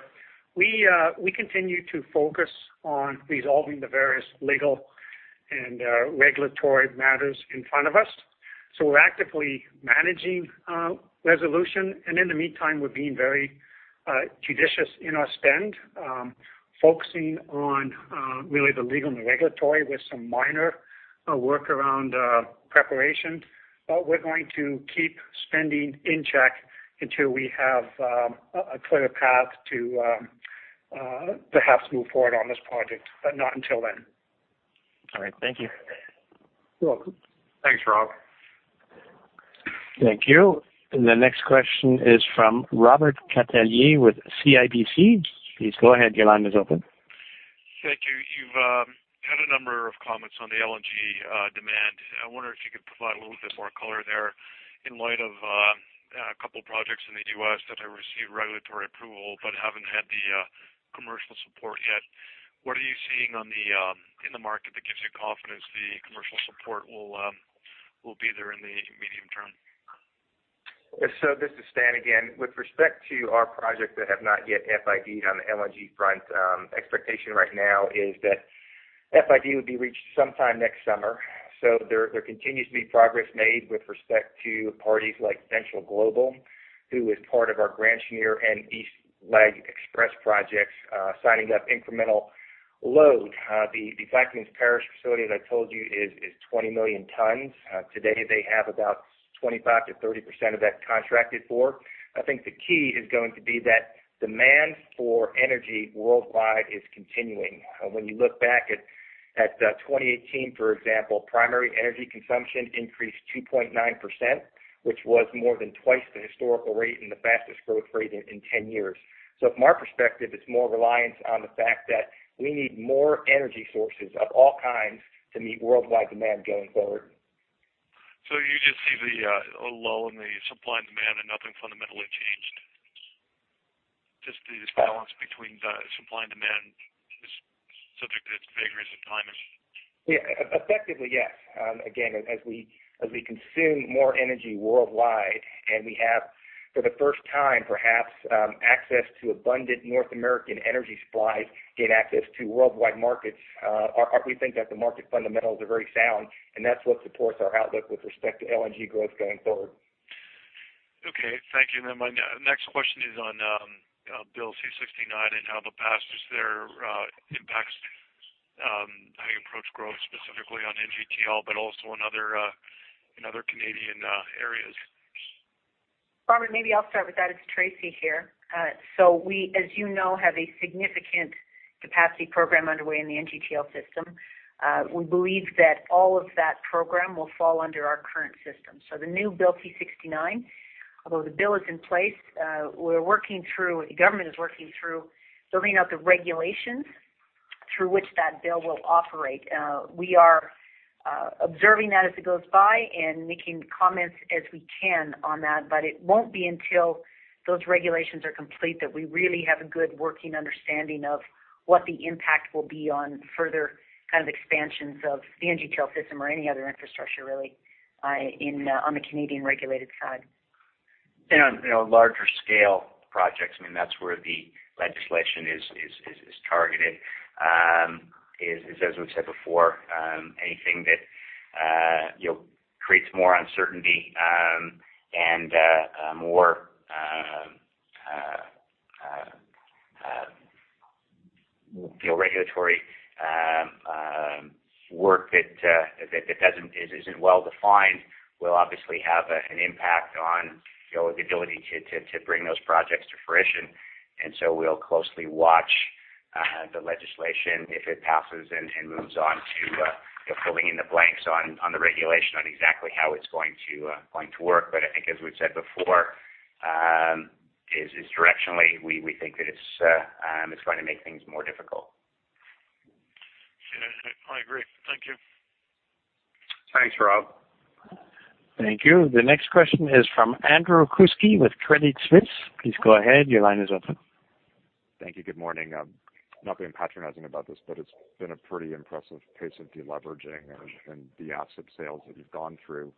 We continue to focus on resolving the various legal and regulatory matters in front of us. We're actively managing resolution. In the meantime, we're being very judicious in our spend, focusing on really the legal and the regulatory with some minor work around preparation. We're going to keep spending in check until we have a clear path to perhaps move forward on this project, but not until then. All right. Thank you. You're welcome. Thanks, Rob. Thank you. The next question is from Robert Catellier with CIBC. Please go ahead. Your line is open. Thank you. You've had a number of comments on the LNG demand. I wonder if you could provide a little bit more color there in light of a couple of projects in the U.S. that have received regulatory approval but haven't had the commercial support yet. What are you seeing in the market that gives you confidence the commercial support will be there in the medium-term? This is Stan again. With respect to our projects that have not yet FID'd on the LNG front, expectation right now is that FID would be reached sometime next summer. There continues to be progress made with respect to parties like Venture Global, who is part of our Grand Chenier and East Lateral XPress projects signing up incremental load. The Plaquemines Parish facility, as I told you, is 20 million tons. Today, they have about 25%-30% of that contracted for. I think the key is going to be that demand for energy worldwide is continuing. When you look back at 2018, for example, primary energy consumption increased 2.9%, which was more than twice the historical rate and the fastest growth rate in 10 years. From our perspective, it's more reliant on the fact that we need more energy sources of all kinds to meet worldwide demand going forward. You just see the low in the supply and demand and nothing fundamentally changed. Just the balance between the supply and demand is subject to its figures of times. Yeah. Effectively, yes. Again, as we consume more energy worldwide and we have, for the first time perhaps, access to abundant North American energy supplies, gain access to worldwide markets, we think that the market fundamentals are very sound, and that's what supports our outlook with respect to LNG growth going forward. Okay. Thank you. My next question is on Bill C-69 and how the passage there impacts how you approach growth, specifically on NGTL, but also in other Canadian areas. Robert, maybe I'll start with that. It's Tracy here. We, as you know, have a significant capacity program underway in the NGTL system. We believe that all of that program will fall under our current system. The new Bill C-69, although the bill is in place, the government is working through building out the regulations through which that bill will operate. We are observing that as it goes by and making comments as we can on that, but it won't be until those regulations are complete that we really have a good working understanding of what the impact will be on further expansions of the NGTL system or any other infrastructure, really, on the Canadian regulated side. On larger scale projects, that's where the legislation is targeted. As we've said before, anything that creates more uncertainty and more regulatory work that isn't well-defined will obviously have an impact on the ability to bring those projects to fruition. We'll closely watch the legislation if it passes and moves on to filling in the blanks on the regulation on exactly how it's going to work. I think as we've said before, is directionally, we think that it's going to make things more difficult. Yeah, I agree. Thank you. Thanks, Rob. Thank you. The next question is from Andrew Kuske with Credit Suisse. Please go ahead. Your line is open. Thank you. Good morning. I'm not being patronizing about this, but it's been a pretty impressive pace of de-leveraging and the asset sales that you've gone through.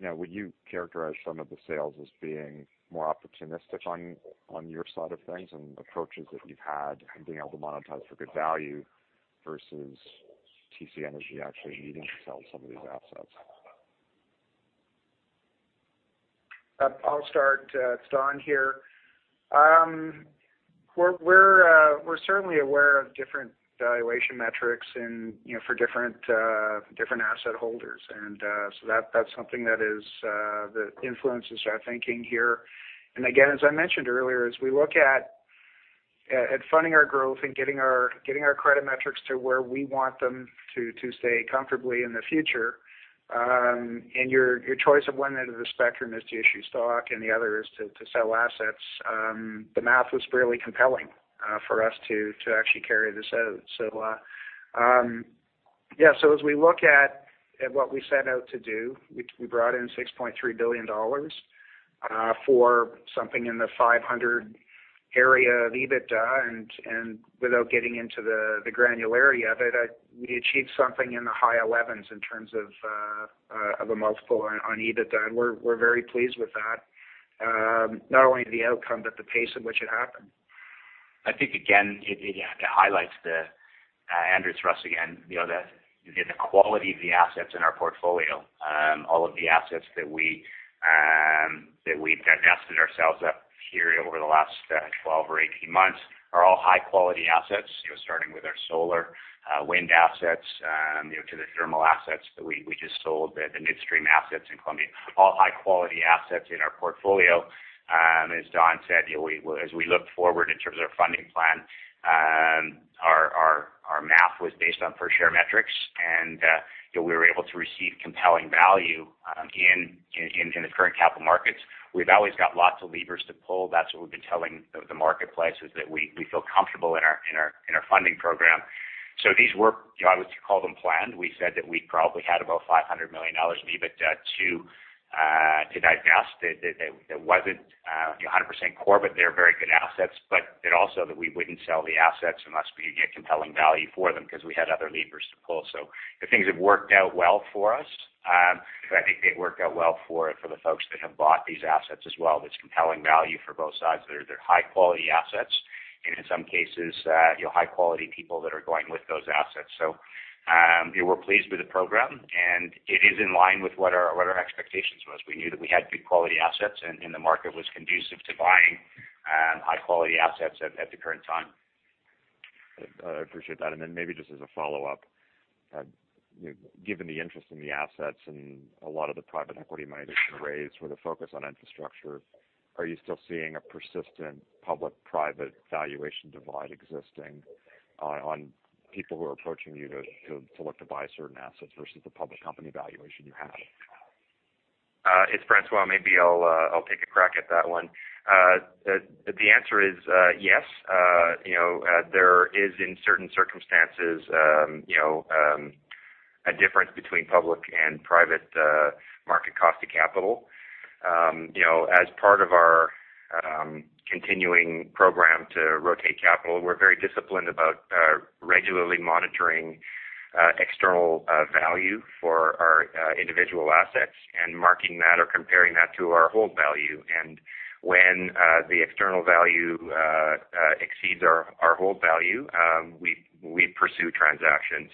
Would you characterize some of the sales as being more opportunistic on your side of things and approaches that you've had and being able to monetize for good value versus TC Energy actually needing to sell some of these assets? I'll start. It's Don here. We're certainly aware of different valuation metrics for different asset holders. That's something that influences our thinking here. Again, as I mentioned earlier, as we look at funding our growth and getting our credit metrics to where we want them to stay comfortably in the future, and your choice of one end of the spectrum is to issue stock and the other is to sell assets. The math was fairly compelling for us to actually carry this out. As we look at what we set out to do, we brought in 6.3 billion dollars for something in the 500 area of EBITDA, without getting into the granularity of it, we achieved something in the high elevens in terms of a multiple on EBITDA, and we're very pleased with that, not only the outcome, but the pace at which it happened. I think, again, it highlights, Andrew, it's Russ again, that the quality of the assets in our portfolio, all of the assets that we've divested ourselves of here over the last 12 or 18 months are all high-quality assets. Starting with our solar wind assets, to the thermal assets that we just sold, the midstream assets in Columbia, all high-quality assets in our portfolio. As Don said, as we look forward in terms of our funding plan, our math was based on per-share metrics, and we were able to receive compelling value in the current capital markets. We've always got lots of levers to pull. That's what we've been telling the marketplace, is that we feel comfortable in our funding program. These were, I would call them planned. We said that we probably had about 500 million dollars of EBITDA to divest, that wasn't 100% core, They're very good assets. It also that we wouldn't sell the assets unless we get compelling value for them because we had other levers to pull. The things have worked out well for us. I think they worked out well for the folks that have bought these assets as well. There's compelling value for both sides. They're high-quality assets and in some cases, high-quality people that are going with those assets. We're pleased with the program, and it is in line with what our expectations was. We knew that we had good quality assets, and the market was conducive to buying high-quality assets at the current time. I appreciate that. Maybe just as a follow-up. Given the interest in the assets and a lot of the private equity money that's been raised with a focus on infrastructure, are you still seeing a persistent public-private valuation divide existing on people who are approaching you to look to buy certain assets versus the public company valuation you have? It's François. Maybe I'll take a crack at that one. The answer is yes. There is, in certain circumstances, a difference between public and private market cost of capital. As part of our continuing program to rotate capital, we're very disciplined about regularly monitoring external value for our individual assets and marking that or comparing that to our whole value. When the external value exceeds our whole value, we pursue transactions.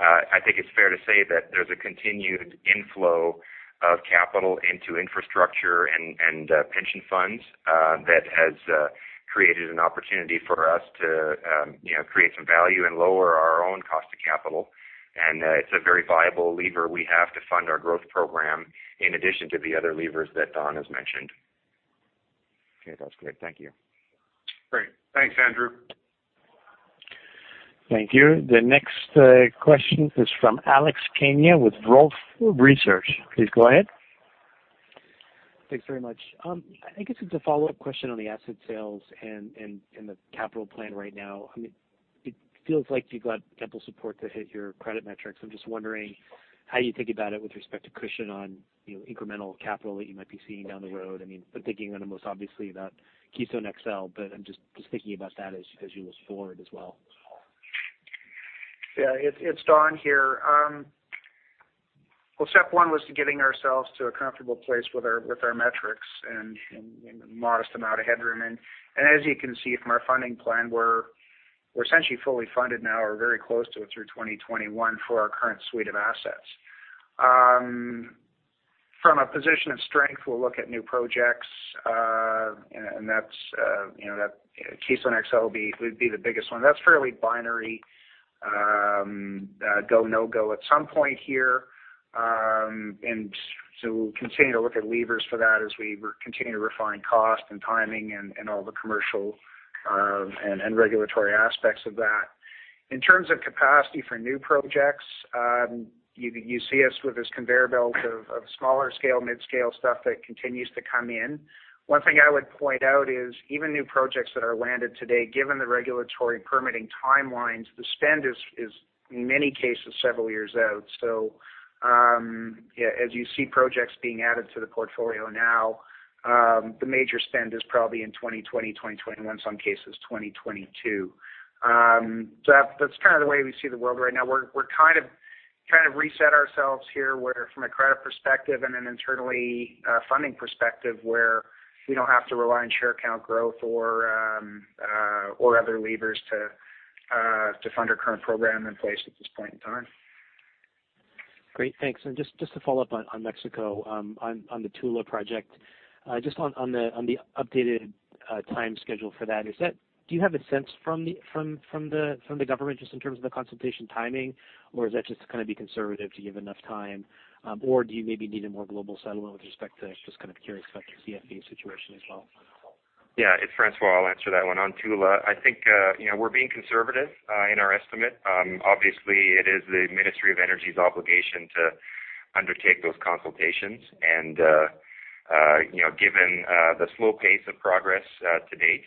I think it's fair to say that there's a continued inflow of capital into infrastructure and pension funds that has created an opportunity for us to create some value and lower our own cost of capital. It's a very viable lever we have to fund our growth program, in addition to the other levers that Don has mentioned. Okay, that's great. Thank you. Great. Thanks, Andrew. Thank you. The next question is from Alex Kania with Wolfe Research. Please go ahead. Thanks very much. I guess it's a follow-up question on the asset sales and the capital plan right now. It feels like you've got ample support to hit your credit metrics. I'm just wondering how you think about it with respect to cushion on incremental capital that you might be seeing down the road. I'm thinking the most obviously about Keystone XL, but I'm just thinking about that as you look forward as well. Yeah, it's Don here. Well, step one was getting ourselves to a comfortable place with our metrics and a modest amount of headroom in. As you can see from our funding plan, we're essentially fully funded now or very close to it through 2021 for our current suite of assets. From a position of strength, we'll look at new projects, and Keystone XL would be the biggest one. That's fairly binary, go, no go at some point here. We'll continue to look at levers for that as we continue to refine cost and timing and all the commercial and regulatory aspects of that. In terms of capacity for new projects, you see us with this conveyor belt of smaller scale, mid-scale stuff that continues to come in. One thing I would point out is even new projects that are landed today, given the regulatory permitting timelines, the spend is in many cases, several years out. As you see projects being added to the portfolio now, the major spend is probably in 2020, 2021, some cases 2022. That's the way we see the world right now. We're trying to reset ourselves here where from a credit perspective and an internally funding perspective where we don't have to rely on share count growth or other levers to fund our current program in place at this point in time. Great. Thanks. Just to follow-up on Mexico, on the Tula Project, just on the updated time schedule for that, do you have a sense from the government just in terms of the consultation timing, or is that just to be conservative to give enough time? Or do you maybe need a more global settlement with respect to, just kind of curious about your WCSB situation as well. Yeah, it's François. I'll answer that one. On Tula, I think we're being conservative in our estimate. Obviously, it is the Ministry of Energy's obligation to undertake those consultations. Given the slow pace of progress to date,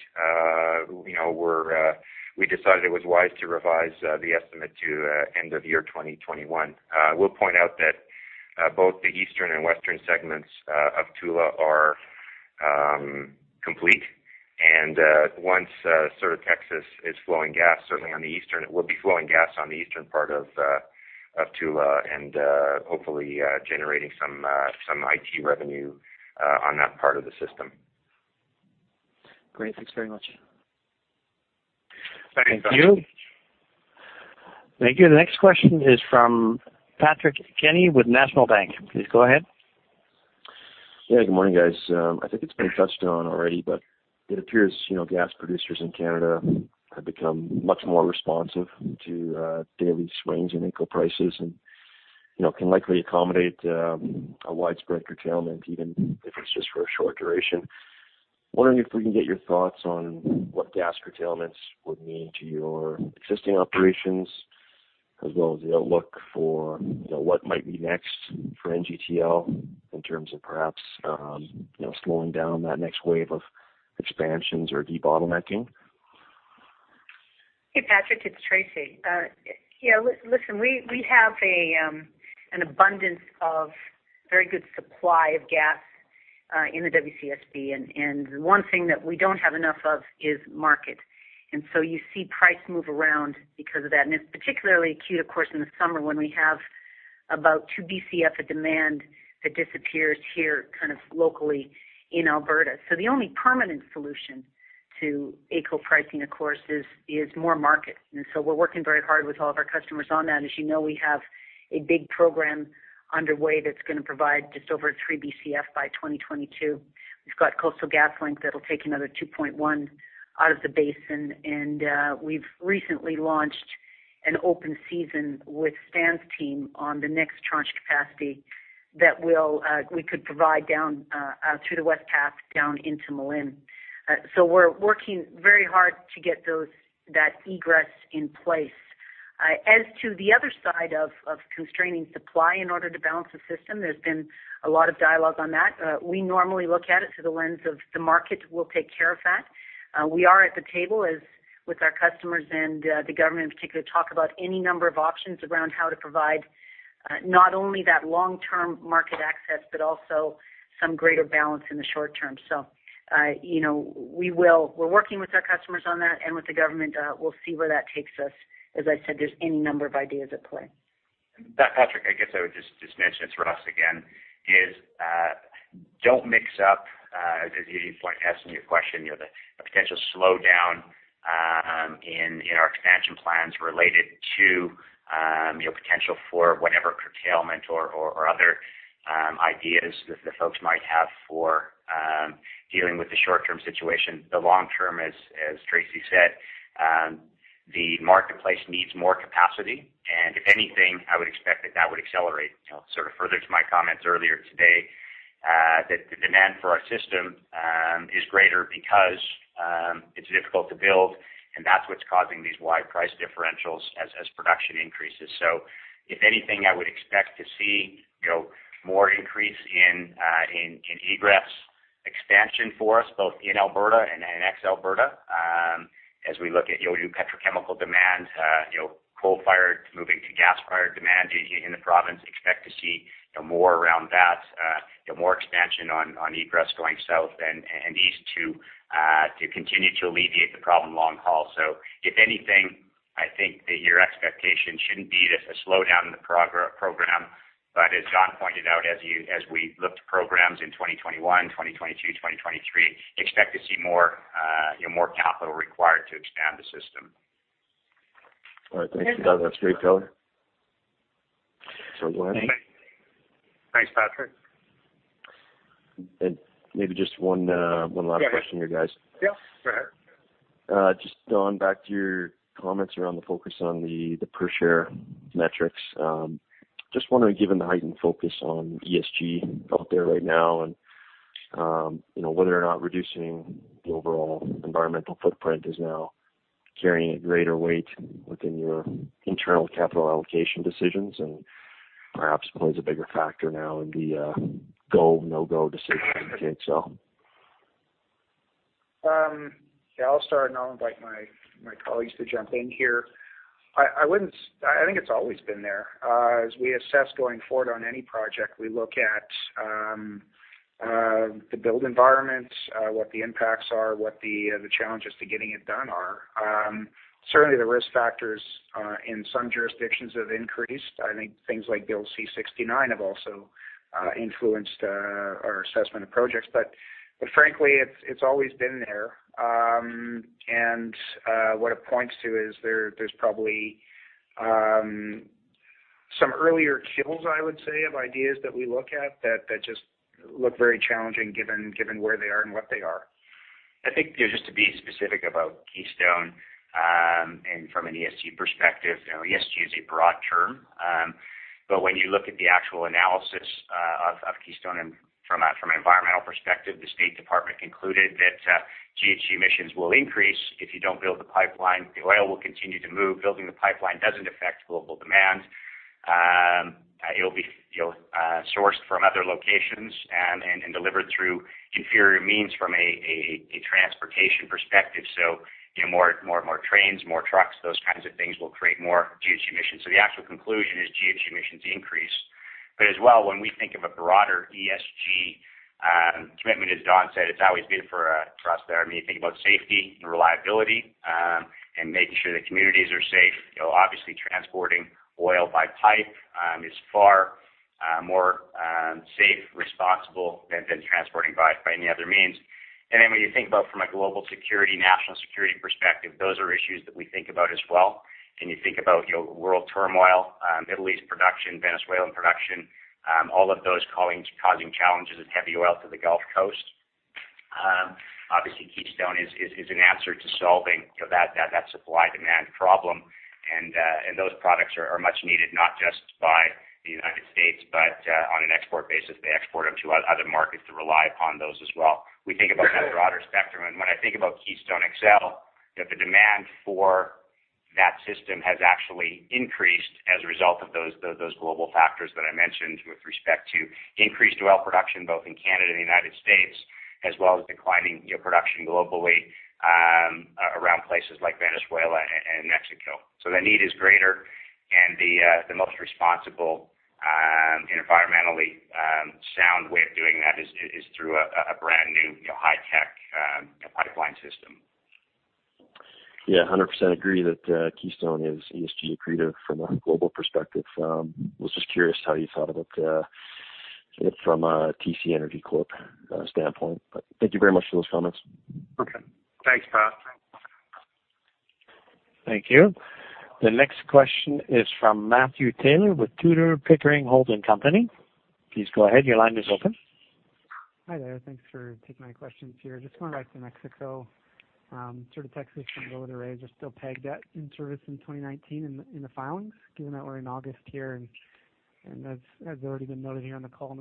we decided it was wise to revise the estimate to end of year 2021. We'll point out that both the eastern and western segments of Tula are complete, and once Sur de Texas is flowing gas, certainly on the eastern, it will be flowing gas on the eastern part of Tula and hopefully generating some IT revenue on that part of the system. Great. Thanks very much. Thank you. Thank you. The next question is from Pat Kenny with National Bank. Please go ahead. Yeah, good morning, guys. I think it's been touched on already. It appears gas producers in Canada have become much more responsive to daily swings in AECO prices and can likely accommodate a widespread curtailment, even if it's just for a short duration. Wondering if we can get your thoughts on what gas curtailments would mean to your existing operations as well as the outlook for what might be next for NGTL in terms of perhaps slowing down that next wave of expansions or debottlenecking? Hey, Patrick, it's Tracy. Listen, we have an abundance of very good supply of gas in the WCSB, and one thing that we don't have enough of is market. You see price move around because of that. It's particularly acute, of course, in the summer when we have about 2 BCF of demand that disappears here locally in Alberta. The only permanent solution to AECO pricing, of course, is more market. We're working very hard with all of our customers on that. As you know, we have a big program underway that's going to provide just over 3 BCF by 2022. We've got Coastal GasLink that'll take another 2.1 out of the basin, and we've recently launched an open season with Stan's team on the next tranche capacity that we could provide down through the West Path down into Malin. We're working very hard to get that egress in place. As to the other side of constraining supply in order to balance the system, there's been a lot of dialogue on that. We normally look at it through the lens of the market will take care of that. We are at the table with our customers and the government, in particular, talk about any number of options around how to provide. Not only that long-term market access, but also some greater balance in the short-term. We're working with our customers on that and with the government. We'll see where that takes us. As I said, there's any number of ideas at play. Patrick, I guess I would just mention, this is Russ again, is don't mix-up, as you asked me a question, the potential slowdown in our expansion plans related to potential for whatever curtailment or other ideas that the folks might have for dealing with the short-term situation. The long-term, as Tracy said, the marketplace needs more capacity. If anything, I would expect that that would accelerate, sort of further to my comments earlier today, that the demand for our system is greater because it's difficult to build, and that's what's causing these wide price differentials as production increases. If anything, I would expect to see more increase in egress expansion for us, both in Alberta and ex Alberta, as we look at petrochemical demand, coal-fired moving to gas-fired demand in the province, expect to see more around that, more expansion on egress going South and East to continue to alleviate the problem long haul. If anything, I think that your expectation shouldn't be a slowdown in the program. As Don pointed out, as we look to programs in 2021, 2022, 2023, expect to see more capital required to expand the system. All right. Thanks for that straightforward. Thanks, Patrick. Maybe just one last question here, guys. Yeah, go ahead. Just, Don, back to your comments around the focus on the per-share metrics. Just wondering, given the heightened focus on ESG out there right now and whether or not reducing the overall environmental footprint is now carrying a greater weight within your internal capital allocation decisions and perhaps plays a bigger factor now in the go, no-go decision you take. Yeah, I'll start, and I'll invite my colleagues to jump in here. I think it's always been there. As we assess going forward on any project, we look at the build environments, what the impacts are, what the challenges to getting it done are. Certainly, the risk factors in some jurisdictions have increased. I think things like Bill C-69 have also influenced our assessment of projects. Frankly, it's always been there. What it points to is there's probably some earlier kills, I would say, of ideas that we look at that just look very challenging given where they are and what they are. I think just to be specific about Keystone, from an ESG perspective, ESG is a broad term. When you look at the actual analysis of Keystone and from an environmental perspective, the State Department concluded that GHG emissions will increase if you don't build the pipeline. The oil will continue to move. Building the pipeline doesn't affect global demand. It'll be sourced from other locations and delivered through inferior means from a transportation perspective. More trains, more trucks, those kinds of things will create more GHG emissions. The actual conclusion is GHG emissions increase. As well, when we think of a broader ESG commitment, as Don said, it's always been for us there. When you think about safety and reliability, and making sure that communities are safe, obviously transporting oil by pipe is far more safe, responsible than transporting by any other means. When you think about from a global security, national security perspective, those are issues that we think about as well. You think about world turmoil, Middle East production, Venezuelan production, all of those causing challenges with heavy oil to the Gulf Coast. Obviously, Keystone is an answer to solving that supply-demand problem. Those products are much needed, not just by the U.S., but on an export basis. They export them to other markets to rely upon those as well. We think about that broader spectrum. When I think about Keystone XL, the demand for that system has actually increased as a result of those global factors that I mentioned with respect to increased oil production, both in Canada and the U.S., as well as declining production globally around places like Venezuela and Mexico. The need is greater, and the most responsible and environmentally sound way of doing that is through a brand-new, high-tech pipeline system. Yeah, 100% agree that Keystone is ESG accretive from a global perspective. Was just curious how you thought about it from a TC Energy Corp standpoint. Thank you very much for those comments. Okay. Thanks, Pat. Thank you. The next question is from Matthew Taylor with Tudor, Pickering, Holt & Co. Please go ahead. Your line is open. Hi there. Thanks for taking my questions here. Just going back to Mexico, Sur de Texas and Villa de Reyes are still pegged at in service in 2019 in the filings, given that we're in August here, and as already been noted here on the call,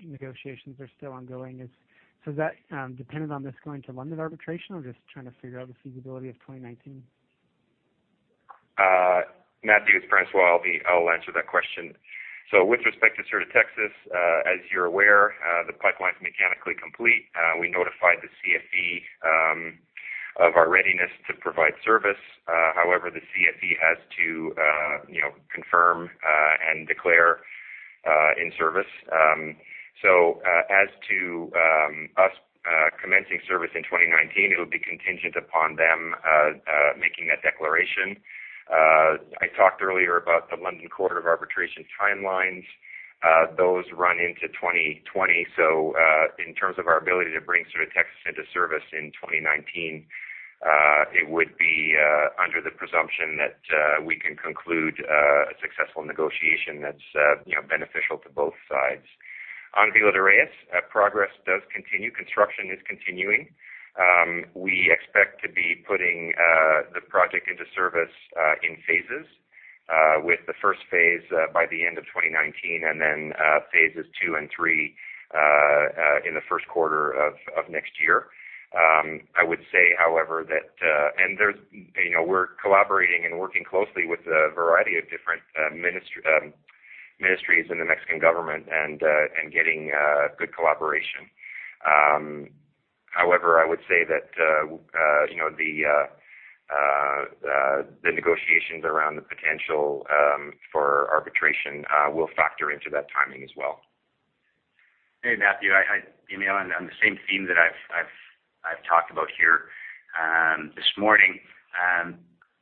negotiations are still ongoing. Is that dependent on this going to London arbitration? I'm just trying to figure out the feasibility of 2019. Matthew, it's François. I'll answer that question. With respect to Sur de Texas, as you're aware, the pipeline's mechanically complete. We notified the CFE. Of our readiness to provide service. The CFE has to confirm and declare in service. As to us commencing service in 2019, it would be contingent upon them making that declaration. I talked earlier about the London Court of Arbitration timelines. Those run into 2020. In terms of our ability to bring Sur de Texas into service in 2019, it would be under the presumption that we can conclude a successful negotiation that's beneficial to both sides. On Villa de Reyes, progress does continue. Construction is continuing. We expect to be putting the project into service in phases, with the first phase by the end of 2019 and then phases II and III in the first quarter of next year. We're collaborating and working closely with a variety of different ministries in the Mexican government and getting good collaboration. However, I would say that the negotiations around the potential for arbitration will factor into that timing as well. Hey, Matthew, I had email on the same theme that I've talked about here this morning.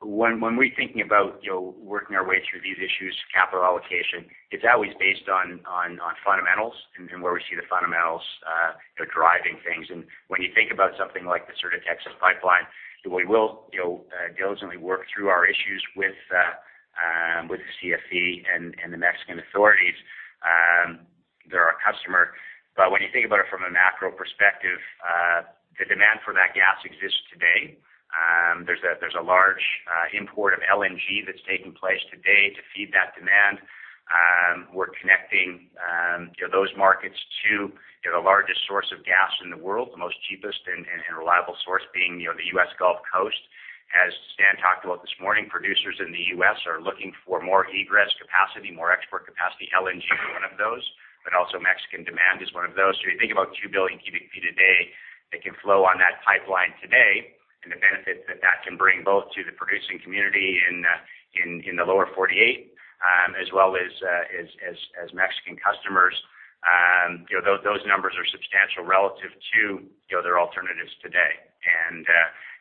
When we're thinking about working our way through these issues, capital allocation, it's always based on fundamentals and where we see the fundamentals driving things. When you think about something like the Sur de Texas pipeline, we will diligently work through our issues with the CFE and the Mexican authorities. They're our customer. When you think about it from a macro perspective, the demand for that gas exists today. There's a large import of LNG that's taking place today to feed that demand. We're connecting those markets to the largest source of gas in the world, the most cheapest and reliable source being the U.S. Gulf Coast. As Stan talked about this morning, producers in the U.S. are looking for more egress capacity, more export capacity. LNG is one of those. Also, Mexican demand is one of those. You think about 2 billion cubic feet a day that can flow on that pipeline today and the benefit that that can bring both to the producing community in the lower 48, as well as Mexican customers. Those numbers are substantial relative to their alternatives today.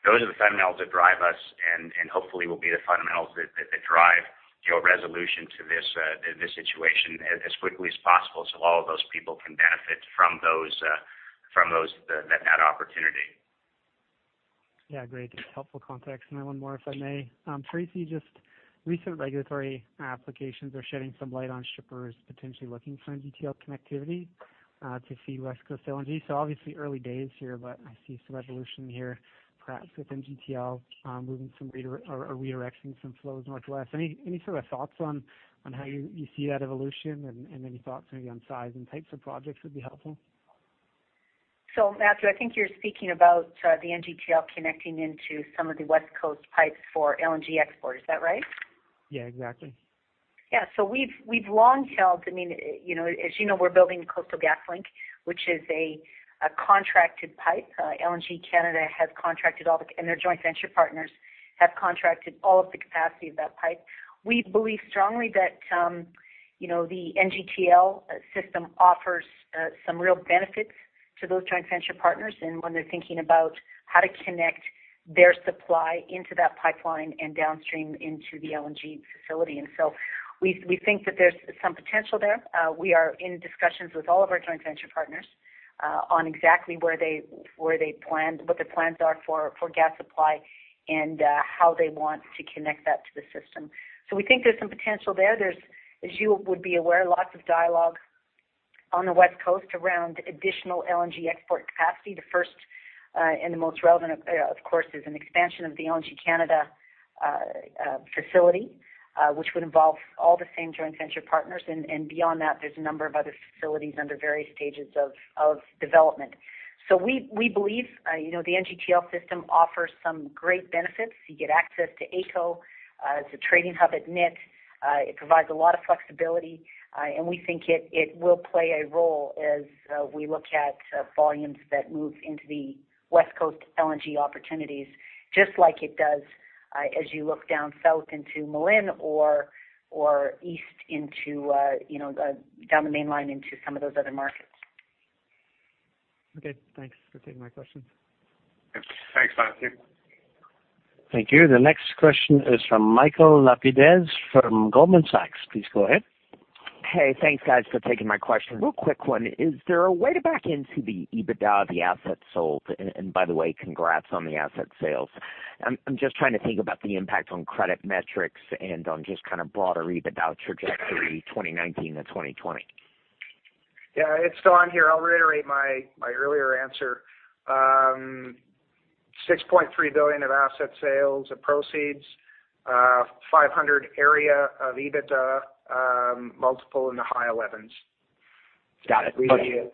Those are the fundamentals that drive us and hopefully will be the fundamentals that drive resolution to this situation as quickly as possible so all of those people can benefit from that opportunity. Yeah, great. Just helpful context. One more, if I may? Tracy, just recent regulatory applications are shedding some light on shippers potentially looking for NGTL connectivity to see West Coast LNG. Obviously early days here, but I see some evolution here, perhaps with NGTL moving some or redirecting some flows much less. Any sort of thoughts on how you see that evolution and any thoughts maybe on size and types of projects would be helpful? Matthew, I think you're speaking about the NGTL connecting into some of the West Coast pipes for LNG export. Is that right? Yeah, exactly. Yeah. We've long held, as you know, we're building Coastal GasLink, which is a contracted pipe. LNG Canada and their joint venture partners have contracted all of the capacity of that pipe. We believe strongly that the NGTL system offers some real benefits to those joint venture partners and when they're thinking about how to connect their supply into that pipeline and downstream into the LNG facility. We think that there's some potential there. We are in discussions with all of our joint venture partners on exactly what their plans are for gas supply and how they want to connect that to the system. We think there's some potential there. There's, as you would be aware, lots of dialogue on the West Coast around additional LNG export capacity. The first and the most relevant, of course, is an expansion of the LNG Canada facility, which would involve all the same joint venture partners. Beyond that, there's a number of other facilities under various stages of development. We believe the NGTL system offers some great benefits. You get access to AECO. It's a trading hub at NIT. It provides a lot of flexibility, and we think it will play a role as we look at volumes that move into the West Coast LNG opportunities, just like it does as you look down South into Malin or East down the mainline into some of those other markets. Okay, thanks for taking my questions. Thanks, Matthew. Thank you. The next question is from Michael Lapides from Goldman Sachs. Please go ahead. Hey, thanks, guys, for taking my question. Real quick one. Is there a way to back into the EBITDA of the assets sold? By the way, congrats on the asset sales. I'm just trying to think about the impact on credit metrics and on just kind of broader EBITDA trajectory 2019 to 2020. Yeah, it's Don here. I'll reiterate my earlier answer. 6.3 billion of asset sales of proceeds, 500 area of EBITDA, multiple in the high 11s. Got it. Okay. We-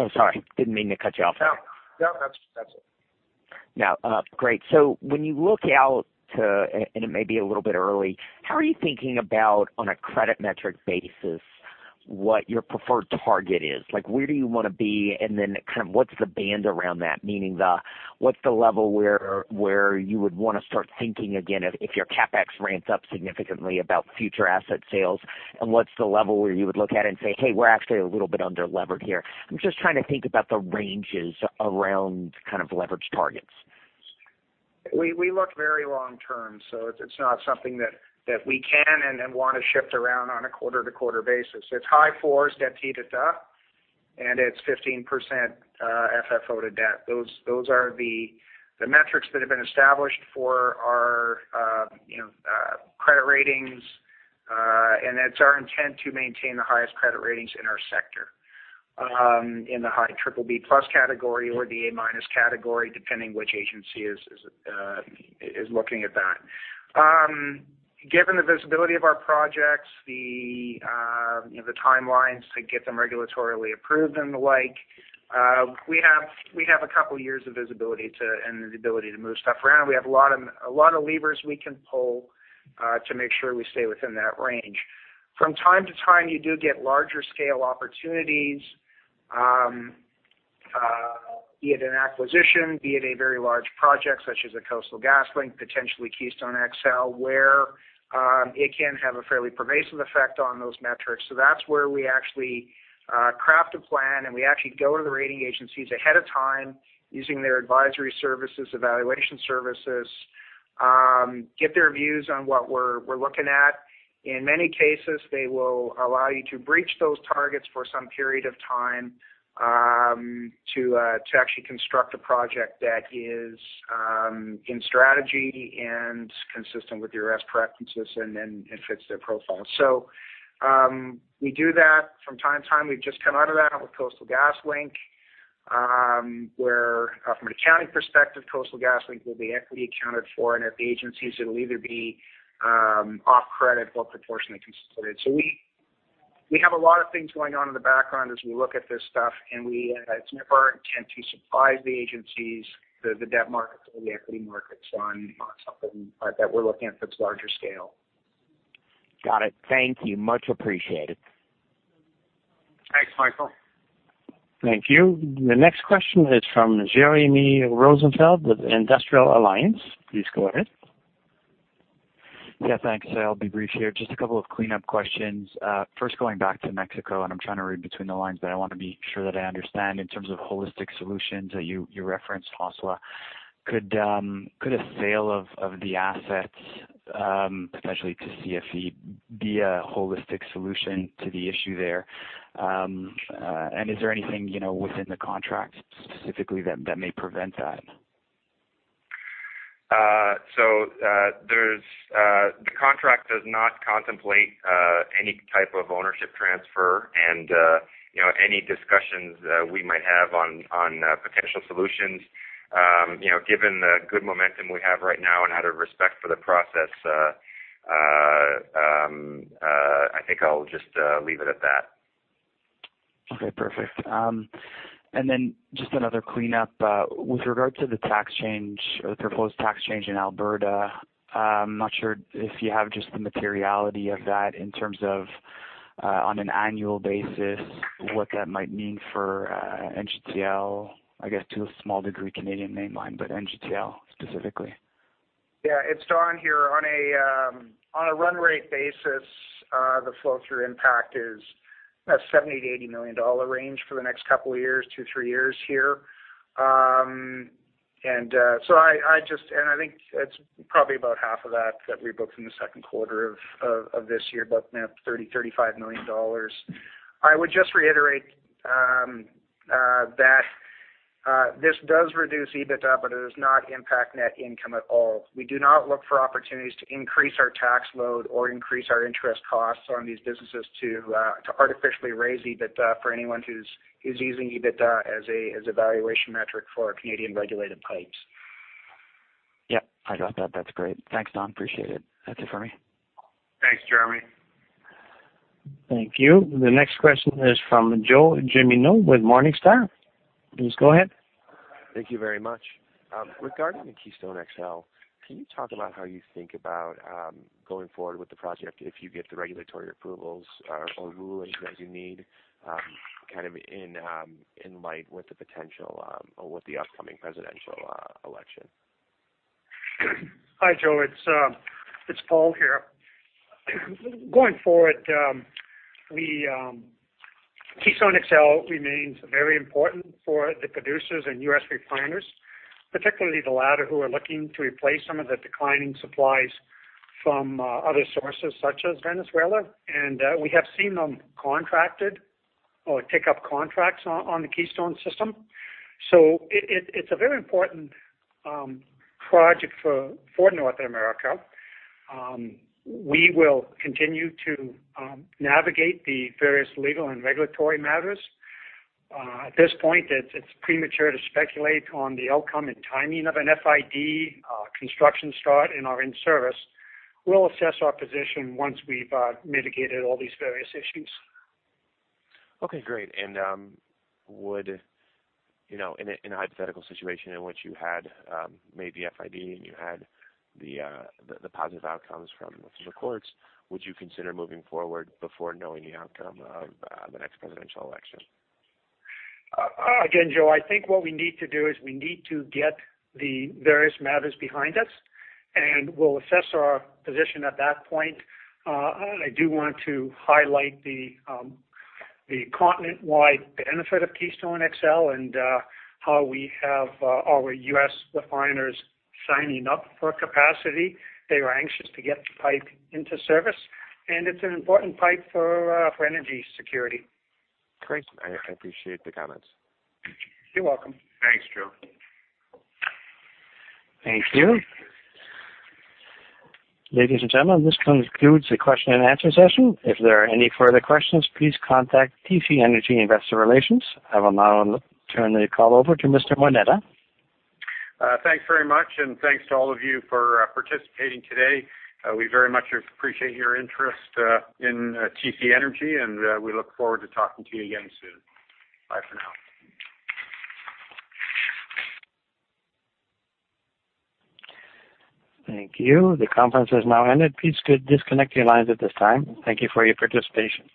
I'm sorry, didn't mean to cut you off there. No, that's okay. Great. When you look out to, and it may be a little bit early, how are you thinking about on a credit metric basis, what your preferred target is? Where do you want to be? What's the band around that? Meaning, what's the level where you would want to start thinking again if your CapEx ramps up significantly about future asset sales? What's the level where you would look at it and say, "Hey, we're actually a little bit under-levered here." I'm just trying to think about the ranges around leverage targets. We look very long-term, so it's not something that we can and want to shift around on a quarter-to-quarter basis. It's high fours debt EBITDA, and it's 15% FFO to debt. Those are the metrics that have been established for our credit ratings. It's our intent to maintain the highest credit ratings in our sector, in the high BBB+ category or the A- category, depending which agency is looking at that. Given the visibility of our projects, the timelines to get them regulatorily approved and the like, we have a couple of years of visibility and the ability to move stuff around. We have a lot of levers we can pull to make sure we stay within that range. From time to time, you do get larger scale opportunities, be it an acquisition, be it a very large project such as a Coastal GasLink, potentially Keystone XL, where it can have a fairly pervasive effect on those metrics. That's where we actually craft a plan, and we actually go to the rating agencies ahead of time using their advisory services, evaluation services, get their views on what we're looking at. In many cases, they will allow you to breach those targets for some period of time to actually construct a project that is in strategy and consistent with your risk preferences and fits their profile. We do that from time to time. We've just come out of that with Coastal GasLink, where from an accounting perspective, Coastal GasLink will be equity accounted for, and at the agencies, it'll either be off credit or proportionately consolidated. We have a lot of things going on in the background as we look at this stuff, and it's never our intent to surprise the agencies, the debt markets or the equity markets on something that we're looking at that's larger scale. Got it. Thank you. Much appreciated. Thanks, Michael. Thank you. The next question is from Jeremy Rosenfield with Industrial Alliance. Please go ahead. Yeah, thanks. I'll be brief here. Just a couple of cleanup questions. First, going back to Mexico. I'm trying to read between the lines, but I want to be sure that I understand in terms of holistic solutions that you referenced, Hosla. Could a sale of the assets, potentially to CFE, be a holistic solution to the issue there? Is there anything within the contract specifically that may prevent that? The contract does not contemplate any type of ownership transfer and any discussions we might have on potential solutions. Given the good momentum we have right now and out of respect for the process, I think I'll just leave it at that. Okay, perfect. Just another cleanup. With regard to the proposed tax change in Alberta, I'm not sure if you have just the materiality of that in terms of on an annual basis, what that might mean for NGTL, I guess to a small degree, Canadian Mainline, but NGTL specifically. Yeah, it's Don here. On a run rate basis, the flow-through impact is that 70 million-80 million dollar range for the next couple of years, two, three years here. I think it's probably about half of that we booked in the second quarter of this year, about 30 million, 35 million dollars. I would just reiterate that this does reduce EBITDA, it does not impact net income at all. We do not look for opportunities to increase our tax load or increase our interest costs on these businesses to artificially raise EBITDA for anyone who's using EBITDA as a valuation metric for Canadian regulated pipes. Yep. I got that. That's great. Thanks, Don. Appreciate it. That's it for me. Thanks, Jeremy. Thank you. The next question is from Joe Jimeno with Morningstar. Please go ahead. Thank you very much. Regarding the Keystone XL, can you talk about how you think about going forward with the project if you get the regulatory approvals or rulings that you need in light with the potential or with the upcoming presidential election? Hi, Joe. It's Paul here. Going forward, Keystone XL remains very important for the producers and U.S. refiners, particularly the latter, who are looking to replace some of the declining supplies from other sources such as Venezuela. We have seen them contracted or take up contracts on the Keystone system. It's a very important project for North America. We will continue to navigate the various legal and regulatory matters. At this point, it's premature to speculate on the outcome and timing of an FID construction start in our in-service. We'll assess our position once we've mitigated all these various issues. Okay, great. In a hypothetical situation in which you had made the FID and you had the positive outcomes from the courts, would you consider moving forward before knowing the outcome of the next presidential election? Joe, I think what we need to do is we need to get the various matters behind us, and we'll assess our position at that point. I do want to highlight the continent-wide benefit of Keystone XL and how we have our U.S. refiners signing up for capacity. They are anxious to get the pipe into service, and it's an important pipe for energy security. Great. I appreciate the comments. You're welcome. Thanks, Joe. Thank you. Ladies and gentlemen, this concludes the question-and-answer session. If there are any further questions, please contact TC Energy Investor Relations. I will now turn the call over to Mr. Moneta. Thanks very much, and thanks to all of you for participating today. We very much appreciate your interest in TC Energy, and we look forward to talking to you again soon. Bye for now. Thank you. The conference has now ended. Please disconnect your lines at this time. Thank you for your participation.